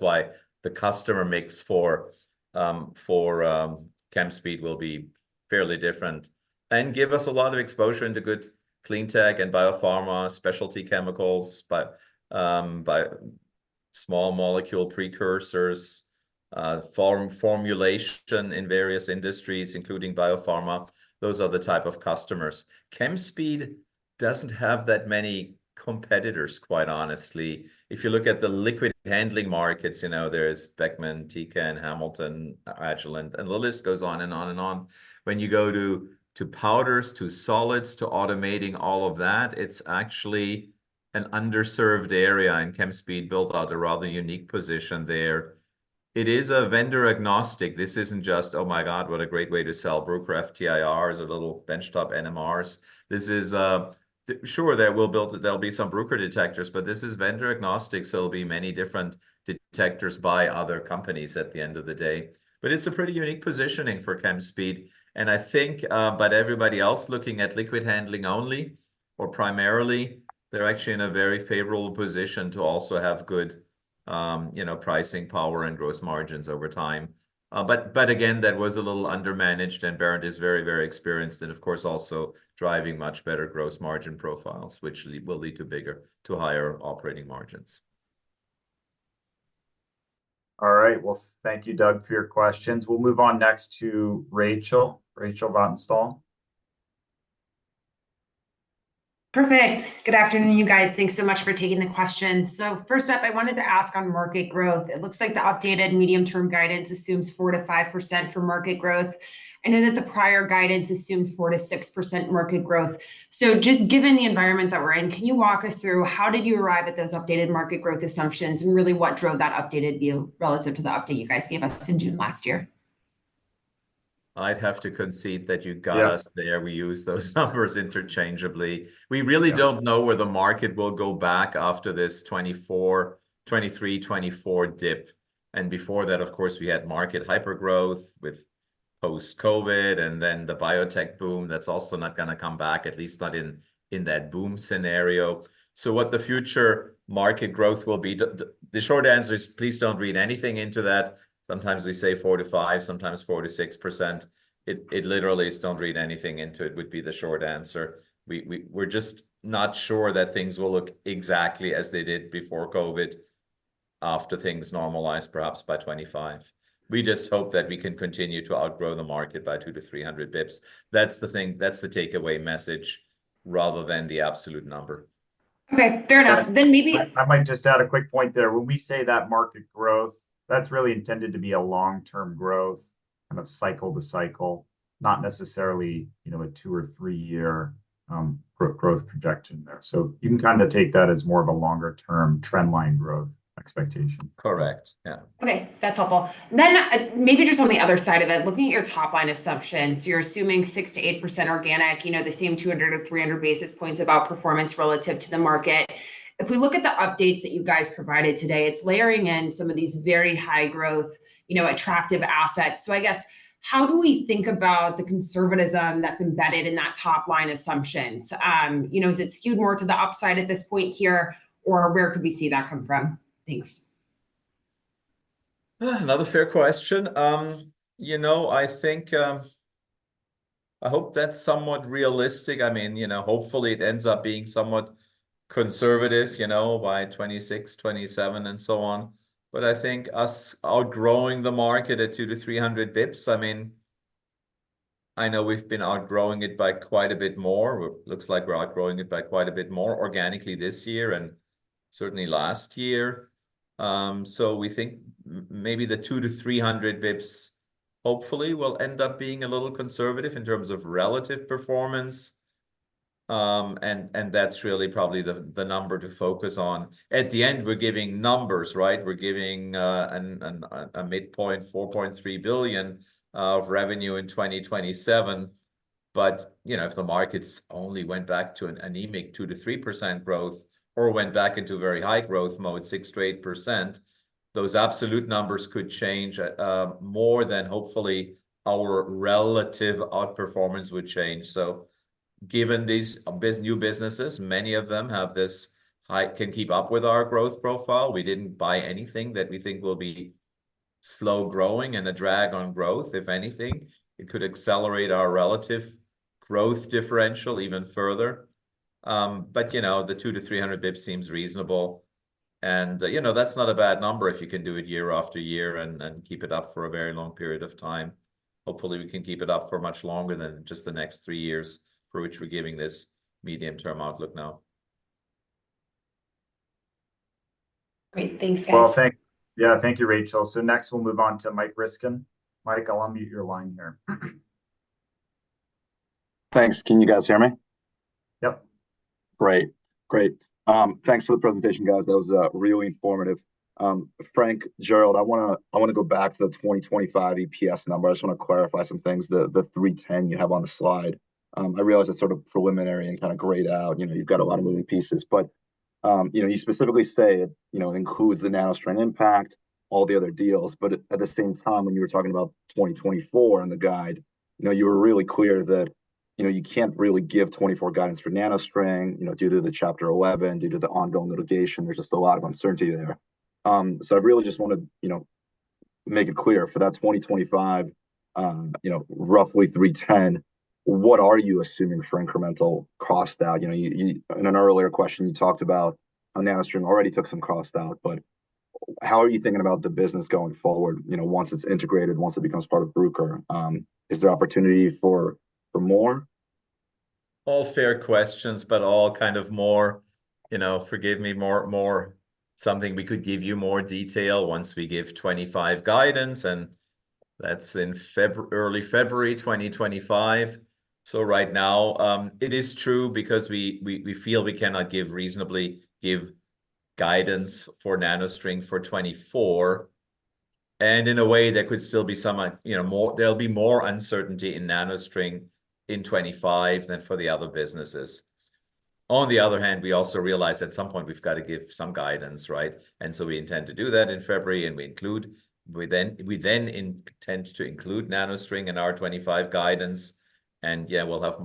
why the customer mix for Chemspeed will be fairly different and give us a lot of exposure into good clean tech and biopharma, specialty chemicals, but by small molecule precursors, formulation in various industries, including biopharma. Those are the type of customers. Chemspeed doesn't have that many competitors, quite honestly. If you look at the liquid handling markets, you know, there's Beckman, Tecan, Hamilton, Agilent, and the list goes on, and on, and on. When you go to powders, to solids, to automating all of that, it's actually an underserved area, and Chemspeed built out a rather unique position there. It is a vendor agnostic. This isn't just, "Oh, my God, what a great way to sell Bruker FTIR as a little benchtop NMRs." This is, sure, there'll be some Bruker detectors, but this is vendor agnostic, so there'll be many different detectors by other companies at the end of the day. But it's a pretty unique positioning for Chemspeed, and I think, but everybody else looking at liquid handling only or primarily, they're actually in a very favorable position to also have good, you know, pricing power and gross margins over time. But again, that was a little undermanaged, and Bernd is very, very experienced, and of course, also driving much better gross margin profiles, which will lead to bigger, to higher operating margins. All right. Well, thank you, Doug, for your questions. We'll move on next to Rachel, Rachel Vatnsdal. Perfect! Good afternoon, you guys. Thanks so much for taking the questions. So first up, I wanted to ask on market growth. It looks like the updated medium-term guidance assumes 4%-5% for market growth. I know that the prior guidance assumed 4%-6% market growth. So just given the environment that we're in, can you walk us through how did you arrive at those updated market growth assumptions, and really, what drove that updated view relative to the update you guys gave us in June last year? I'd have to concede that you got us- Yeah There. We use those numbers interchangeably. Yeah. We really don't know where the market will go back after this 2023-2024 dip. Before that, of course, we had market hyper growth with post-COVID, and then the biotech boom, that's also not gonna come back, at least not in, in that boom scenario. What the future market growth will be, the, the, the short answer is, please don't read anything into that. Sometimes we say 4%-5%, sometimes 4%-6%. It, it literally is don't read anything into it, would be the short answer. We, we, we're just not sure that things will look exactly as they did before COVID, after things normalize, perhaps by 2025. We just hope that we can continue to outgrow the market by 200-300 basis points. That's the thing, that's the takeaway message, rather than the absolute number. Okay, fair enough. Yeah. Then maybe- I might just add a quick point there. When we say that market growth, that's really intended to be a long-term growth, kind of cycle to cycle, not necessarily, you know, a two or three-year growth projection there. So you can kind of take that as more of a longer-term trendline growth expectation. Correct. Yeah. Okay, that's helpful. Then, maybe just on the other side of it, looking at your top-line assumptions, you're assuming 6%-8% organic, you know, the same 200-300 basis points about performance relative to the market. If we look at the updates that you guys provided today, it's layering in some of these very high growth, you know, attractive assets. So I guess, how do we think about the conservatism that's embedded in that top-line assumptions? You know, is it skewed more to the upside at this point here, or where could we see that come from? Thanks. Another fair question. You know, I think, I hope that's somewhat realistic. I mean, you know, hopefully it ends up being somewhat conservative, you know, by 2026, 2027, and so on. But I think us outgrowing the market at 200-300 basis points, I mean, I know we've been outgrowing it by quite a bit more. Well, looks like we're outgrowing it by quite a bit more organically this year, and certainly last year. So we think maybe the 200-300 basis points hopefully will end up being a little conservative in terms of relative performance. And, and that's really probably the, the number to focus on. At the end, we're giving numbers, right? We're giving, an, a mid-point, $4.3 billion, of revenue in 2027. But, you know, if the markets only went back to an anemic 2%-3% growth, or went back into a very high growth mode, 6%-8%, those absolute numbers could change more than hopefully our relative outperformance would change. So given these new businesses, many of them have this high can keep up with our growth profile. We didn't buy anything that we think will be slow-growing and a drag on growth. If anything, it could accelerate our relative growth differential even further. But, you know, the 200-300 basis points seems reasonable, and, you know, that's not a bad number if you can do it year after year and keep it up for a very long period of time. Hopefully, we can keep it up for much longer than just the next three years, for which we're giving this medium-term outlook now. Great. Thanks, guys. Well, yeah, thank you, Rachel. So next, we'll move on to Mike Ryskin. Mike, I'll unmute your line here. Thanks. Can you guys hear me? Yep. Great. Great. Thanks for the presentation, guys. That was really informative. Frank, Gerald, I wanna go back to the 2025 EPS number. I just wanna clarify some things, the $3.10 you have on the slide. I realize it's sort of preliminary and kind of grayed out, you know, you've got a lot of moving pieces, but, you know, you specifically say it, you know, includes the NanoString impact, all the other deals, but at the same time, when you were talking about 2024 and the guide, you know, you were really clear that, you know, you can't really give 2024 guidance for NanoString, you know, due to the Chapter 11, due to the ongoing litigation. There's just a lot of uncertainty there. So I really just want to, you know, make it clear for that 2025, you know, roughly $310, what are you assuming for incremental cost out? You know, you—in an earlier question, you talked about how NanoString already took some cost out, but how are you thinking about the business going forward, you know, once it's integrated, once it becomes part of Bruker? Is there opportunity for, for more? All fair questions, but all kind of more, you know, forgive me, more, more something we could give you more detail once we give 25 guidance, and that's in early February 2025. So right now, it is true because we feel we cannot reasonably give guidance for NanoString for 2024, and in a way, there could still be some, you know, more - there'll be more uncertainty in NanoString in 2025 than for the other businesses. On the other hand, we also realize at some point we've got to give some guidance, right? And so we intend to do that in February, and we then intend to include NanoString in our 25 guidance, and yeah, we'll have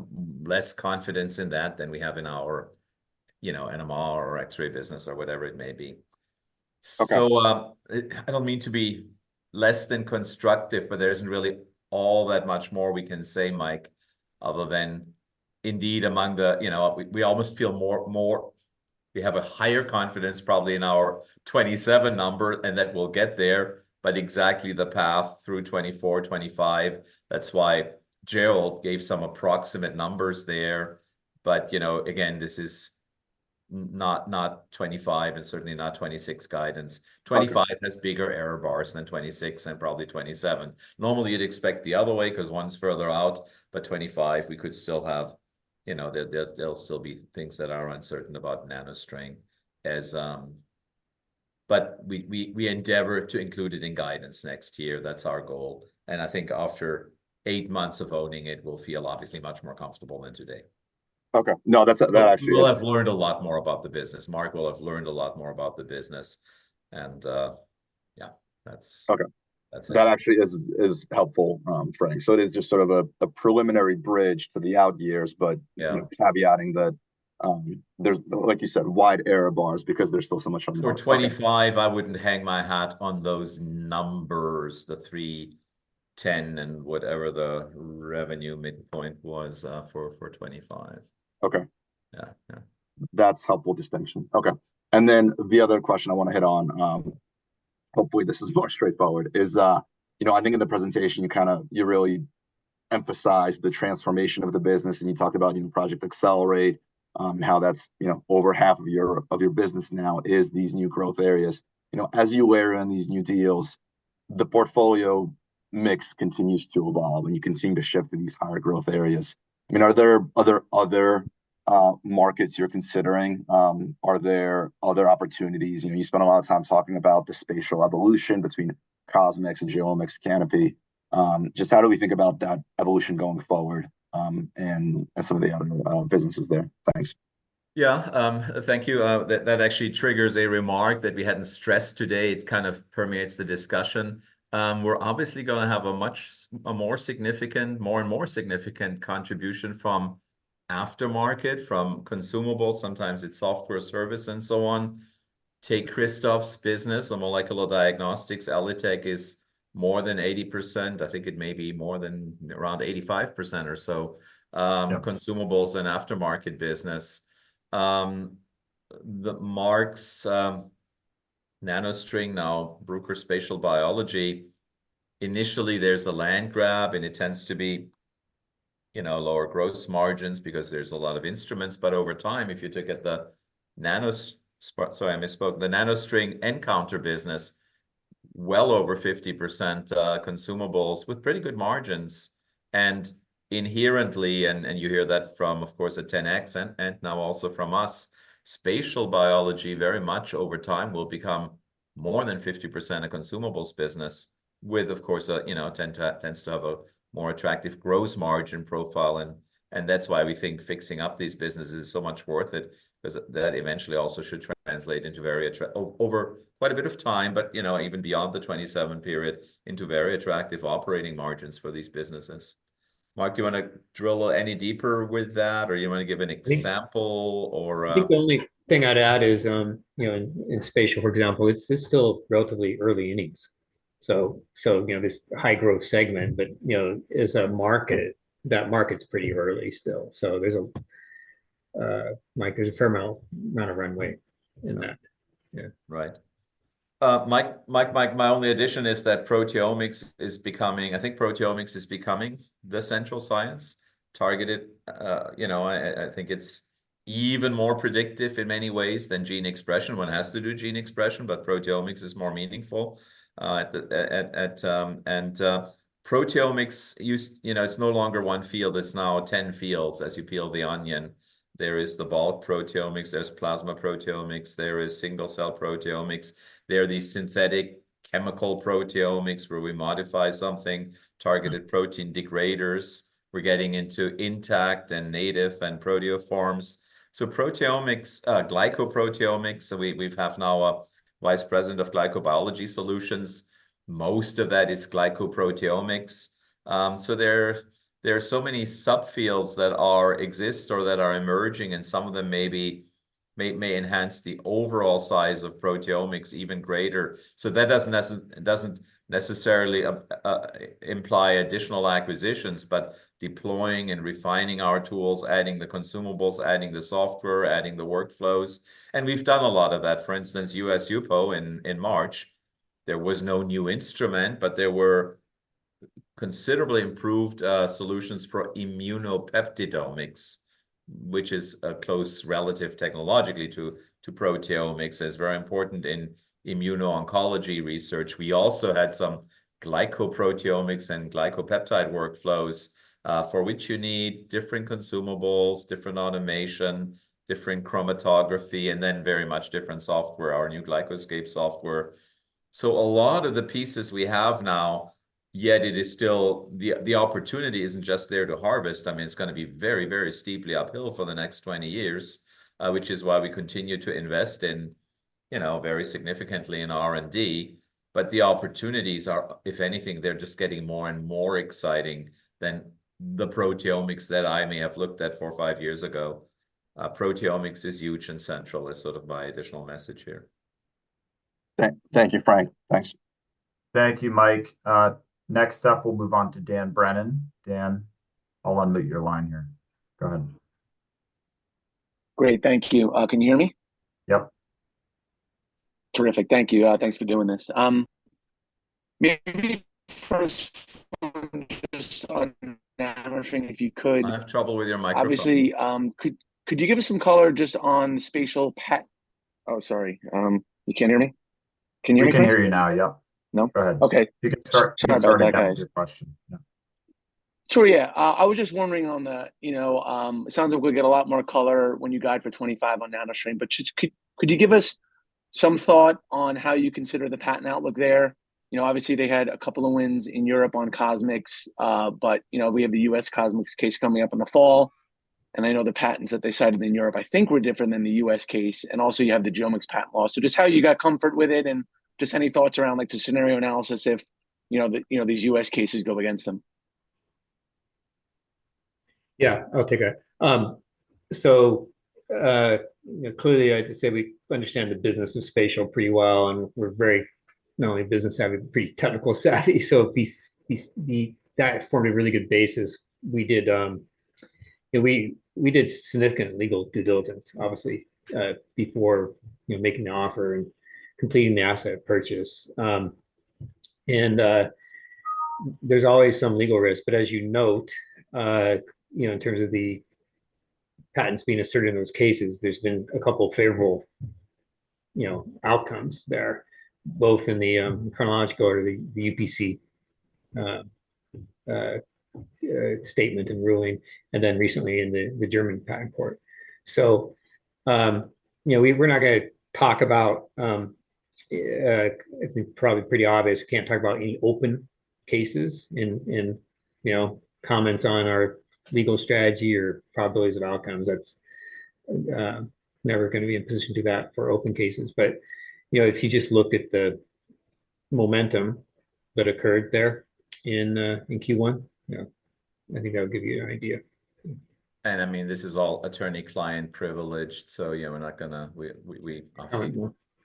less confidence in that than we have in our, you know, NMR or X-ray business or whatever it may be. Okay. I don't mean to be less than constructive, but there isn't really all that much more we can say, Mike, other than indeed among the, you know, we almost feel more we have a higher confidence probably in our 2027 number, and that we'll get there, but exactly the path through 2024, 2025, that's why Gerald gave some approximate numbers there. But, you know, again, this is not 2025, and certainly not 2026 guidance. Okay. 2025 has bigger error bars than 2026 and probably 2027. Normally, you'd expect the other way, 'cause one's further out, but 2025 we could still have, you know, there, there'll still be things that are uncertain about NanoString as. But we endeavor to include it in guidance next year. That's our goal. And I think after eight months of owning it, we'll feel obviously much more comfortable than today. Okay. No, that's, that actually is We'll have learned a lot more about the business. Mark will have learned a lot more about the business, and, yeah, that's- Okay. That's it. That actually is helpful, Frank. So it is just sort of a preliminary bridge to the out years, but- Yeah you know, caveating that, there's, like you said, wide error bars because there's still so much uncertainty. For 2025, I wouldn't hang my hat on those numbers, the 310 and whatever the revenue midpoint was, for 2025. Okay. Yeah, yeah. That's a helpful distinction. Okay, and then the other question I want to hit on, hopefully this is more straightforward, is, you know, I think in the presentation, you kind of, you really emphasized the transformation of the business, and you talked about Project Accelerate, how that's, you know, over half of your, of your business now is these new growth areas. You know, as you're in these new deals, the portfolio mix continues to evolve, and you continue to shift to these higher growth areas. I mean, are there other, other, markets you're considering? Are there other opportunities? You know, you spent a lot of time talking about the spatial evolution between CosMx and GeoMx Canopy. Just how do we think about that evolution going forward, and some of the other businesses there? Thanks. Yeah, thank you. That actually triggers a remark that we hadn't stressed today. It kind of permeates the discussion. We're obviously gonna have a much, a more significant, more and more significant contribution from aftermarket, from consumables, sometimes it's software service, and so on. Take Christoph's business, the molecular diagnostics, ELITechGroup is more than 80%. I think it may be more than around 85% or so. Yeah Consumables and aftermarket business. Then Mark's NanoString, now Bruker Spatial Biology, initially there's a land grab, and it tends to be, you know, lower gross margins because there's a lot of instruments. But over time, if you look at the NanoString nCounter business, well over 50%, consumables with pretty good margins. And inherently, and you hear that from, of course, a 10x and now also from us, spatial biology, very much over time will become more than 50% a consumables business with, of course, a, you know, a tends to have a more attractive gross margin profile. And that's why we think fixing up these businesses is so much worth it, 'cause that eventually also should translate into very attract Over quite a bit of time, but, you know, even beyond the 27 period, into very attractive operating margins for these businesses. Mark, do you want to drill any deeper with that, or you want to give an example or I think the only thing I'd add is, you know, in spatial, for example, it's still relatively early innings, so you know, this high-growth segment. But, you know, as a market, that market's pretty early still. So there's like a fair amount of runway in that. Yeah, right. Mike, Mike, Mike, my only addition is that proteomics is becoming. I think proteomics is becoming the central science, targeted. You know, I think it's even more predictive in many ways than gene expression. One has to do gene expression, but proteomics is more meaningful. Proteomics, you know, it's no longer one field, it's now 10 fields as you peel the onion. There is the bulk proteomics, there's plasma proteomics, there is single-cell proteomics, there are these synthetic chemical proteomics, where we modify something, targeted protein degraders. We're getting into intact, and native, and proteoforms. So proteomics, glycoproteomics, so we have now a vice president of glycobiology solutions. Most of that is glycoproteomics. So there are so many subfields that exist or that are emerging, and some of them may enhance the overall size of proteomics even greater. So that doesn't necessarily imply additional acquisitions, but deploying and refining our tools, adding the consumables, adding the software, adding the workflows, and we've done a lot of that. For instance, US HUPO in March, there was no new instrument, but there were considerably improved solutions for immunopeptidomics, which is a close relative technologically to proteomics, and it's very important in immuno-oncology research. We also had some glycoproteomics and glycopeptide workflows, for which you need different consumables, different automation, different chromatography, and then very much different software, our new GlycoScape software. So a lot of the pieces we have now, yet it is still. The opportunity isn't just there to harvest. I mean, it's gonna be very, very steeply uphill for the next 20 years, which is why we continue to invest in, you know, very significantly in R&D. But the opportunities are, if anything, they're just getting more and more exciting than the proteomics that I may have looked at four or five years ago. Proteomics is huge and central, is sort of my additional message here. Thank you, Frank. Thanks. Thank you, Mike. Next up, we'll move on to Dan Brennan. Dan, I'll unmute your line here. Go ahead. Great, thank you. Can you hear me? Yep. Terrific. Thank you. Thanks for doing this. Maybe first, just on NanoString, if you could I have trouble with your microphone. Obviously, could you give us some color just on spatial pat- Oh, sorry, you can't hear me? Can you hear me? We can hear you now, yeah. No? Go ahead. Okay. You can start answering your question. Yeah. Sure, yeah. I was just wondering on the, you know. It sounds like we'll get a lot more color when you guide for 2025 on NanoString, but just could you give us some thought on how you consider the patent outlook there? You know, obviously, they had a couple of wins in Europe on CosMx, but, you know, we have the US CosMx case coming up in the fall, and I know the patents that they cited in Europe, I think, were different than the US case, and also, you have the 10x Genomics patent lawsuit. So just how you got comfort with it, and just any thoughts around, like, the scenario analysis if, you know, the, you know, these US cases go against them? Yeah, I'll take that. So, clearly, I'd just say we understand the business of spatial pretty well, and we're very not only business savvy, but pretty technical savvy, so we That formed a really good basis. We did, yeah, we did significant legal due diligence, obviously, before, you know, making an offer and completing the asset purchase. And, there's always some legal risk, but as you note, you know, in terms of the patents being asserted in those cases, there's been a couple of favorable, you know, outcomes there, both in the chronological order, the UPC statement and ruling, and then recently in the German patent court. So, you know, we're not gonna talk about, it's probably pretty obvious we can't talk about any open cases and, and, you know, comments on our legal strategy or probabilities of outcomes. That's never gonna be in a position to do that for open cases. But, you know, if you just looked at the momentum that occurred there in, in Q1, you know, I think that would give you an idea. I mean, this is all attorney-client privileged, so, you know, we're not gonna. We obviously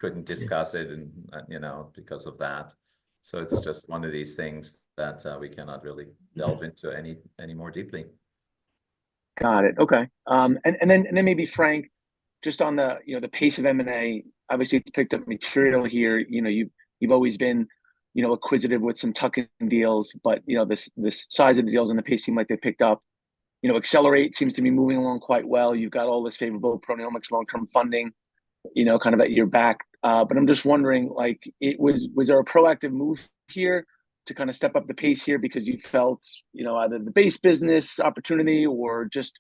couldn't discuss it and, you know, because of that. So it's just one of these things that we cannot really delve into any more deeply. Got it. Okay. And then maybe Frank, just on the, you know, the pace of M&A, obviously, you've picked up material here. You know, you've always been, you know, acquisitive with some tuck-in deals, but, you know, the size of the deals and the pace seem like they've picked up. You know, Accelerate seems to be moving along quite well. You've got all this favorable proteomics long-term funding, you know, kind of at your back. But I'm just wondering, like, was there a proactive move here to kind of step up the pace here because you felt, you know, either the base business opportunity or just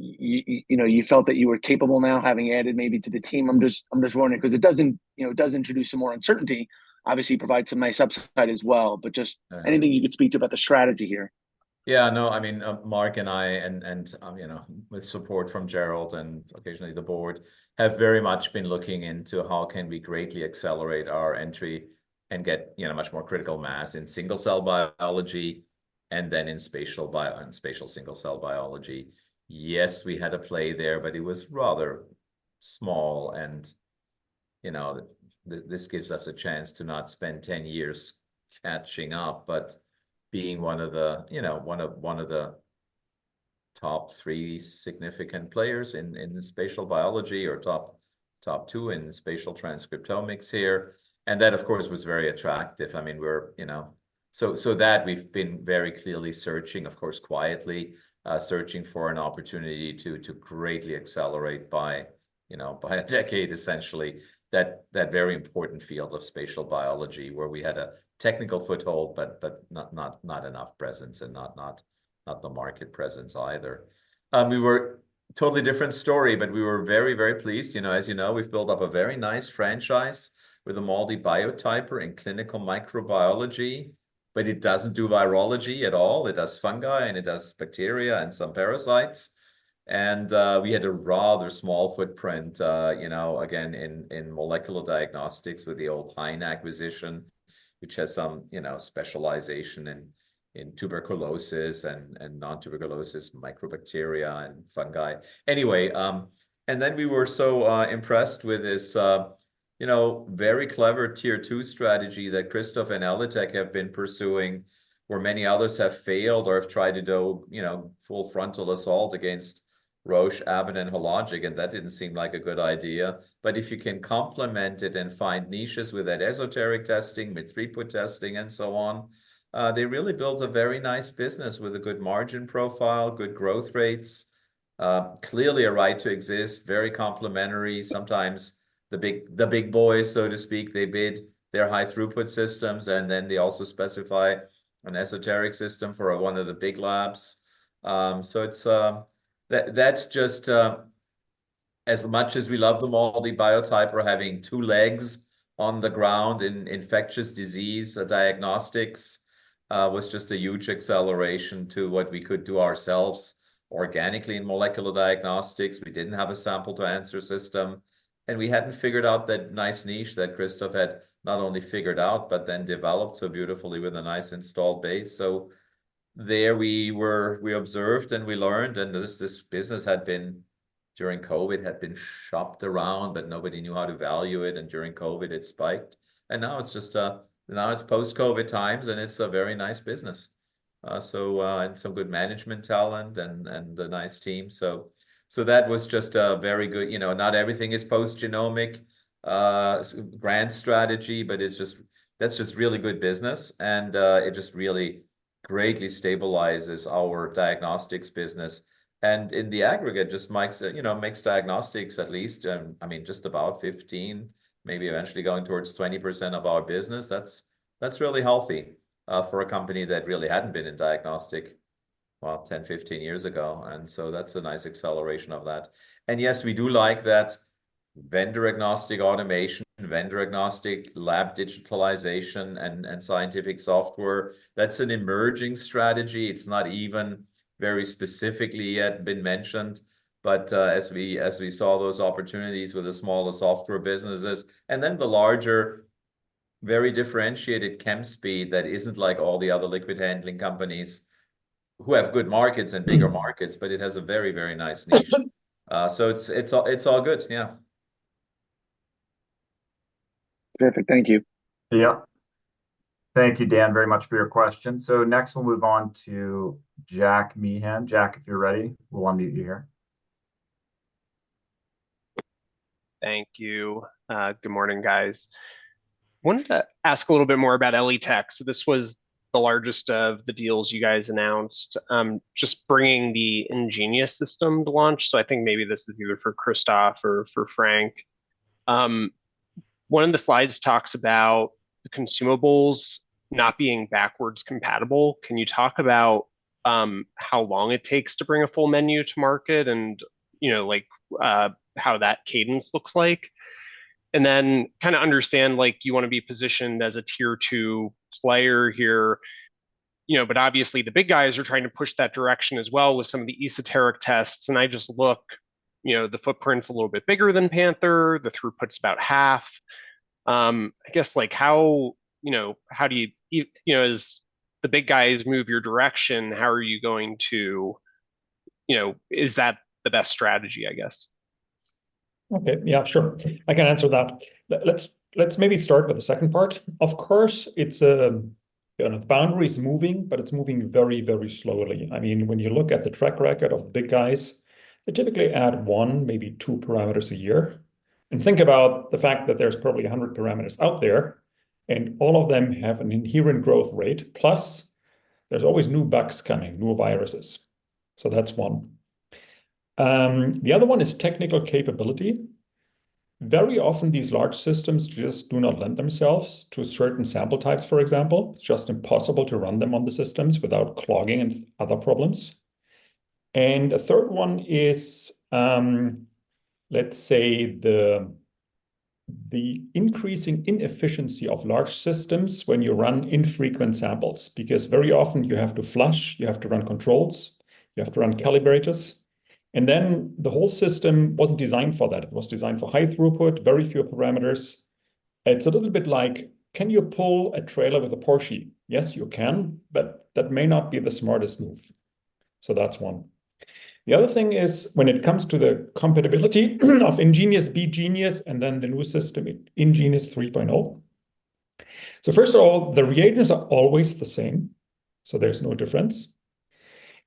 you know, you felt that you were capable now, having added maybe to the team? I'm just, I'm just wondering, 'cause it doesn't, you know, it does introduce some more uncertainty, obviously provide some nice upside as well, but just- Yeah Anything you could speak to about the strategy here? Yeah, no, I mean, Mark and I, and, you know, with support from Gerald and occasionally the board, have very much been looking into how can we greatly accelerate our entry and get, you know, much more critical mass in single cell biology, and then in spatial biology, in spatial single cell biology. Yes, we had a play there, but it was rather small and, you know, this gives us a chance to not spend 10 years catching up, but being one of the, you know, one of, one of the top three significant players in, in the spatial biology or top, top two in the spatial transcriptomics here, and that, of course, was very attractive. I mean, we're, you know. So that we've been very clearly searching, of course, quietly, searching for an opportunity to greatly accelerate by, you know, by a decade, essentially, that very important field of spatial biology, where we had a technical foothold, but not enough presence and not the market presence either. We were a totally different story, but we were very, very pleased. You know, as you know, we've built up a very nice franchise with a MALDI Biotyper and clinical microbiology, but it doesn't do virology at all. It does fungi, and it does bacteria and some parasites. We had a rather small footprint, you know, again, in molecular diagnostics with the Hain acquisition, which has some, you know, specialization in tuberculosis and non-tuberculosis mycobacteria, and fungi. Anyway, and then we were so impressed with this, you know, very clever tier two strategy that Christoph and ELITechGroup have been pursuing, where many others have failed or have tried to go, you know, full frontal assault against Roche, Abbott, and Hologic, and that didn't seem like a good idea. But if you can complement it and find niches with that esoteric testing, with throughput testing, and so on, they really built a very nice business with a good margin profile, good growth rates, clearly a right to exist, very complementary. Sometimes the big, the big boys, so to speak, they bid their high-throughput systems, and then they also specify an esoteric system for one of the big labs. So it's, that, that's just As much as we love the MALDI Biotyper, we're having two legs on the ground in infectious disease diagnostics was just a huge acceleration to what we could do ourselves organically in molecular diagnostics. We didn't have a sample to answer system, and we hadn't figured out that nice niche that Christoph had not only figured out, but then developed so beautifully with a nice installed base. So there we were, we observed and we learned, and this business had been shopped around during COVID, but nobody knew how to value it, and during COVID, it spiked. And now it's just now it's post-COVID times, and it's a very nice business. So, and some good management talent and a nice team. So that was just a very good. You know, not everything is post-genomic grand strategy, but it's just, that's just really good business, and it just really greatly stabilizes our diagnostics business. And in the aggregate, just makes, you know, makes diagnostics at least, I mean, just about 15, maybe eventually going towards 20% of our business. That's, that's really healthy for a company that really hadn't been in diagnostics, well, 10, 15 years ago, and so that's a nice acceleration of that. And yes, we do like that vendor-agnostic automation, vendor-agnostic lab digitalization and scientific software. That's an emerging strategy. It's not even very specifically yet been mentioned, but as we, as we saw those opportunities with the smaller software businesses, and then the larger, very differentiated Chemspeed, that isn't like all the other liquid handling companies who have good markets and bigger markets, but it has a very, very nice niche. So it's, it's, it's all good. Yeah. Perfect. Thank you. Yeah. Thank you, Dan, very much for your question. Next, we'll move on to Jack Meehan. Jack, if you're ready, we'll unmute you here. Thank you. Good morning, guys. Wanted to ask a little bit more about ELITech. So this was the largest of the deals you guys announced, just bringing the InGenius system to launch. So I think maybe this is either for Christoph or for Frank. One of the slides talks about the consumables not being backwards compatible. Can you talk about how long it takes to bring a full menu to market and, you know, like, how that cadence looks like? And then kind of understand, like, you want to be positioned as a tier two player here, you know, but obviously the big guys are trying to push that direction as well with some of the esoteric tests. And I just look, you know, the footprint's a little bit bigger than Panther, the throughput's about half. I guess, like, how, you know, how do you you know, as the big guys move your direction, how are you going to, you know, is that the best strategy, I guess? Okay. Yeah, sure. I can answer that. Let's maybe start with the second part. Of course, it's, you know, the boundary is moving, but it's moving very, very slowly. I mean, when you look at the track record of big guys, they typically add 1, maybe 2 parameters a year. And think about the fact that there's probably 100 parameters out there, and all of them have an inherent growth rate, plus there's always new bugs coming, new viruses. So that's one. The other one is technical capability. Very often, these large systems just do not lend themselves to certain sample types, for example. It's just impossible to run them on the systems without clogging and other problems. A third one is, let's say, the increasing inefficiency of large systems when you run infrequent samples, because very often you have to flush, you have to run controls, you have to run calibrators. And then the whole system wasn't designed for that. It was designed for high throughput, very few parameters. It's a little bit like, can you pull a trailer with a Porsche? Yes, you can, but that may not be the smartest move. So that's one. The other thing is, when it comes to the compatibility of InGenius, BeGenius, and then the new system, InGenius 3.0 So first of all, the reagents are always the same, so there's no difference.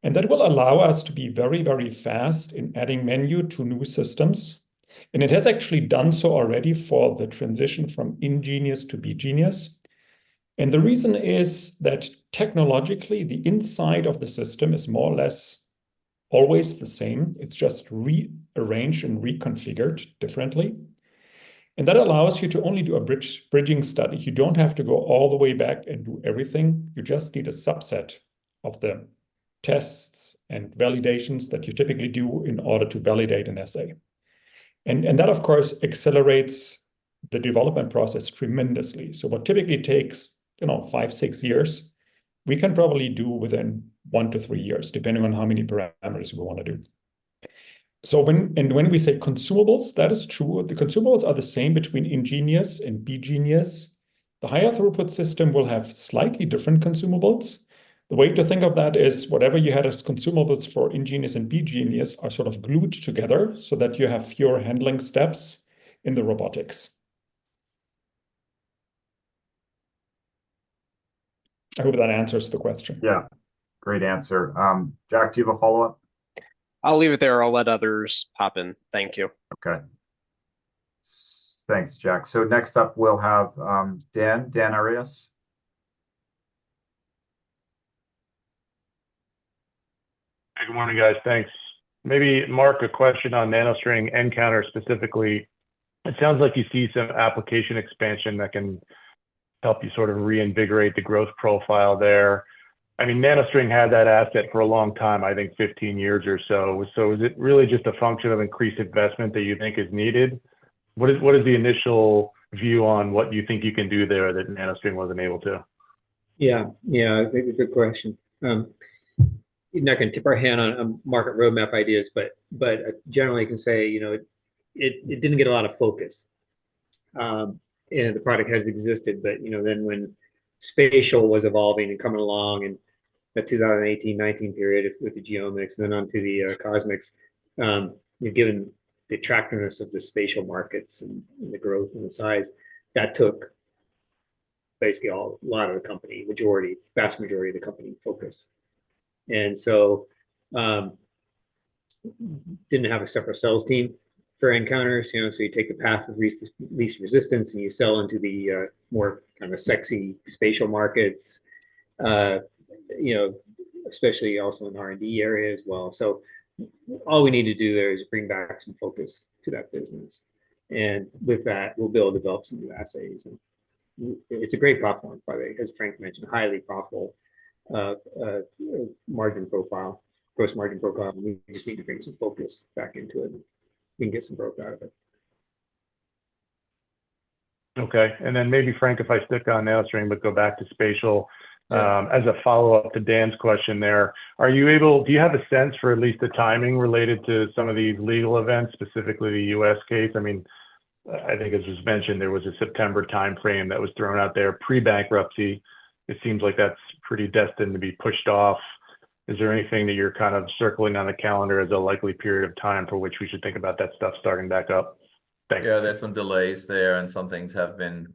And that will allow us to be very, very fast in adding menu to new systems, and it has actually done so already for the transition from InGenius to BeGenius. And the reason is that technologically, the inside of the system is more or less always the same. It's just rearranged and reconfigured differently. And that allows you to only do a bridging study. You don't have to go all the way back and do everything. You just need a subset of the tests and validations that you typically do in order to validate an assay. And that, of course, accelerates the development process tremendously. So what typically takes, you know, five, six years, we can probably do within one to three years, depending on how many parameters we want to do. So when and when we say consumables, that is true. The consumables are the same between InGenius and BeGenius. The higher throughput system will have slightly different consumables. The way to think of that is, whatever you had as consumables for InGenius and BeGenius. InGenius are sort of glued together so that you have fewer handling steps in the robotics. I hope that answers the question. Yeah, great answer. Jack, do you have a follow-up? I'll leave it there. I'll let others pop in. Thank you. Okay. Thanks, Jack. So next up, we'll have Dan, Dan Arias. Good morning, guys. Thanks. Maybe, Mark, a question on NanoString nCounter, specifically. It sounds like you see some application expansion that can help you sort of reinvigorate the growth profile there. I mean, NanoString had that asset for a long time, I think 15 years or so. So is it really just a function of increased investment that you think is needed? What is, what is the initial view on what you think you can do there that NanoString wasn't able to? Yeah. Yeah, it's a good question. We're not gonna tip our hand on market roadmap ideas, but generally, I can say, you know, it didn't get a lot of focus, and the product has existed. But, you know, then when spatial was evolving and coming along in the 2018-2019 period with the GeoMx and then onto the CosMx, you're given the attractiveness of the spatial markets and the growth and the size. That took basically all, a lot of the company, vast majority of the company focus. And so, didn't have a separate sales team for nCounter, you know, so you take the path of least resistance, and you sell into the more kind of sexy spatial markets. You know, especially also in R&D area as well. All we need to do there is bring back some focus to that business, and with that, we'll be able to develop some new assays. It's a great platform, by the way, as Frank mentioned, highly profitable, you know, margin profile, gross margin profile. We just need to bring some focus back into it, and we can get some growth out of it. Okay. And then maybe, Frank, if I stick on NanoString, but go back to spatial. As a follow-up to Dan's question there, are you able— Do you have a sense for at least the timing related to some of the legal events, specifically the U.S. case? I mean, I think it was mentioned there was a September timeframe that was thrown out there pre-bankruptcy. It seems like that's pretty destined to be pushed off. Is there anything that you're kind of circling on the calendar as a likely period of time for which we should think about that stuff starting back up? Thanks. Yeah, there's some delays there, and some things have been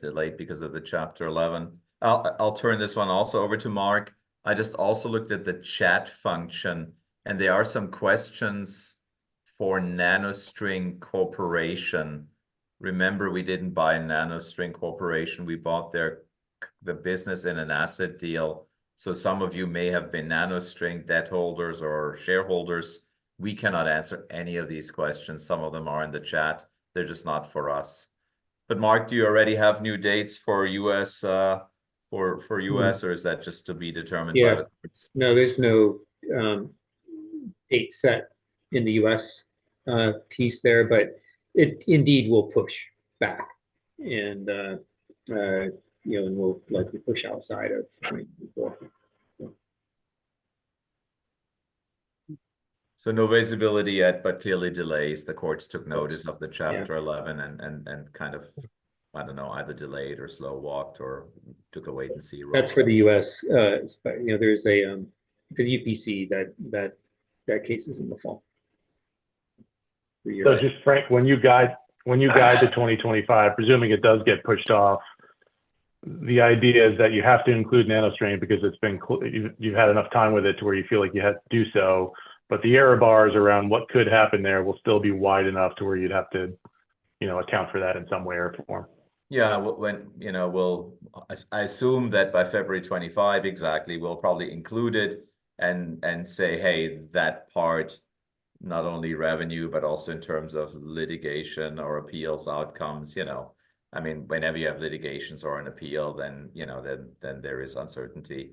delayed because of the Chapter 11. I'll turn this one also over to Mark. I just also looked at the chat function, and there are some questions for NanoString Technologies. Remember, we didn't buy NanoString Technologies; we bought their business in an asset deal. So some of you may have been NanoString debt holders or shareholders. We cannot answer any of these questions. Some of them are in the chat, they're just not for us. But Mark, do you already have new dates for U.S., for U.S., or is that just to be determined by the courts? Yeah. No, there's no date set in the U.S. piece there, but it indeed will push back, and, you know, and will likely push outside of 2024, so. No visibility yet, but clearly delays. The courts took notice Yeah Of the Chapter 11 and kind of, I don't know, either delayed or slow-walked or took a wait and see approach. That's for the U.S. But you know, there's the UPC that case is in the fall for the U.S. So just, Frank, when you guide, when you guide to 2025, presuming it does get pushed off, the idea is that you have to include NanoString because it's been cl- you've, you've had enough time with it to where you feel like you had to do so. But the error bars around what could happen there will still be wide enough to where you'd have to, you know, account for that in some way or form. Yeah. When you know, we'll. I assume that by February 25, exactly, we'll probably include it and say, "Hey, that part, not only revenue, but also in terms of litigation or appeals outcomes," you know? I mean, whenever you have litigations or an appeal, then, you know, then there is uncertainty.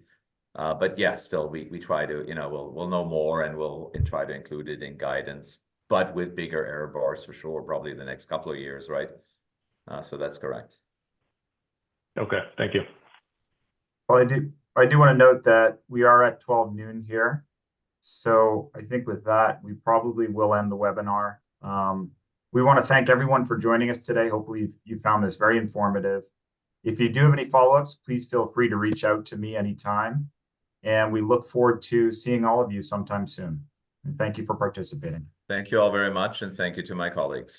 But yeah, still, we try to. You know, we'll know more, and we'll try to include it in guidance, but with bigger error bars, for sure, probably in the next couple of years, right? So that's correct. Okay. Thank you. Well, I do, I do want to note that we are at 12:00 P.M. here. So I think with that, we probably will end the webinar. We want to thank everyone for joining us today. Hopefully, you found this very informative. If you do have any follow-ups, please feel free to reach out to me anytime, and we look forward to seeing all of you sometime soon. Thank you for participating. Thank you all very much, and thank you to my colleagues.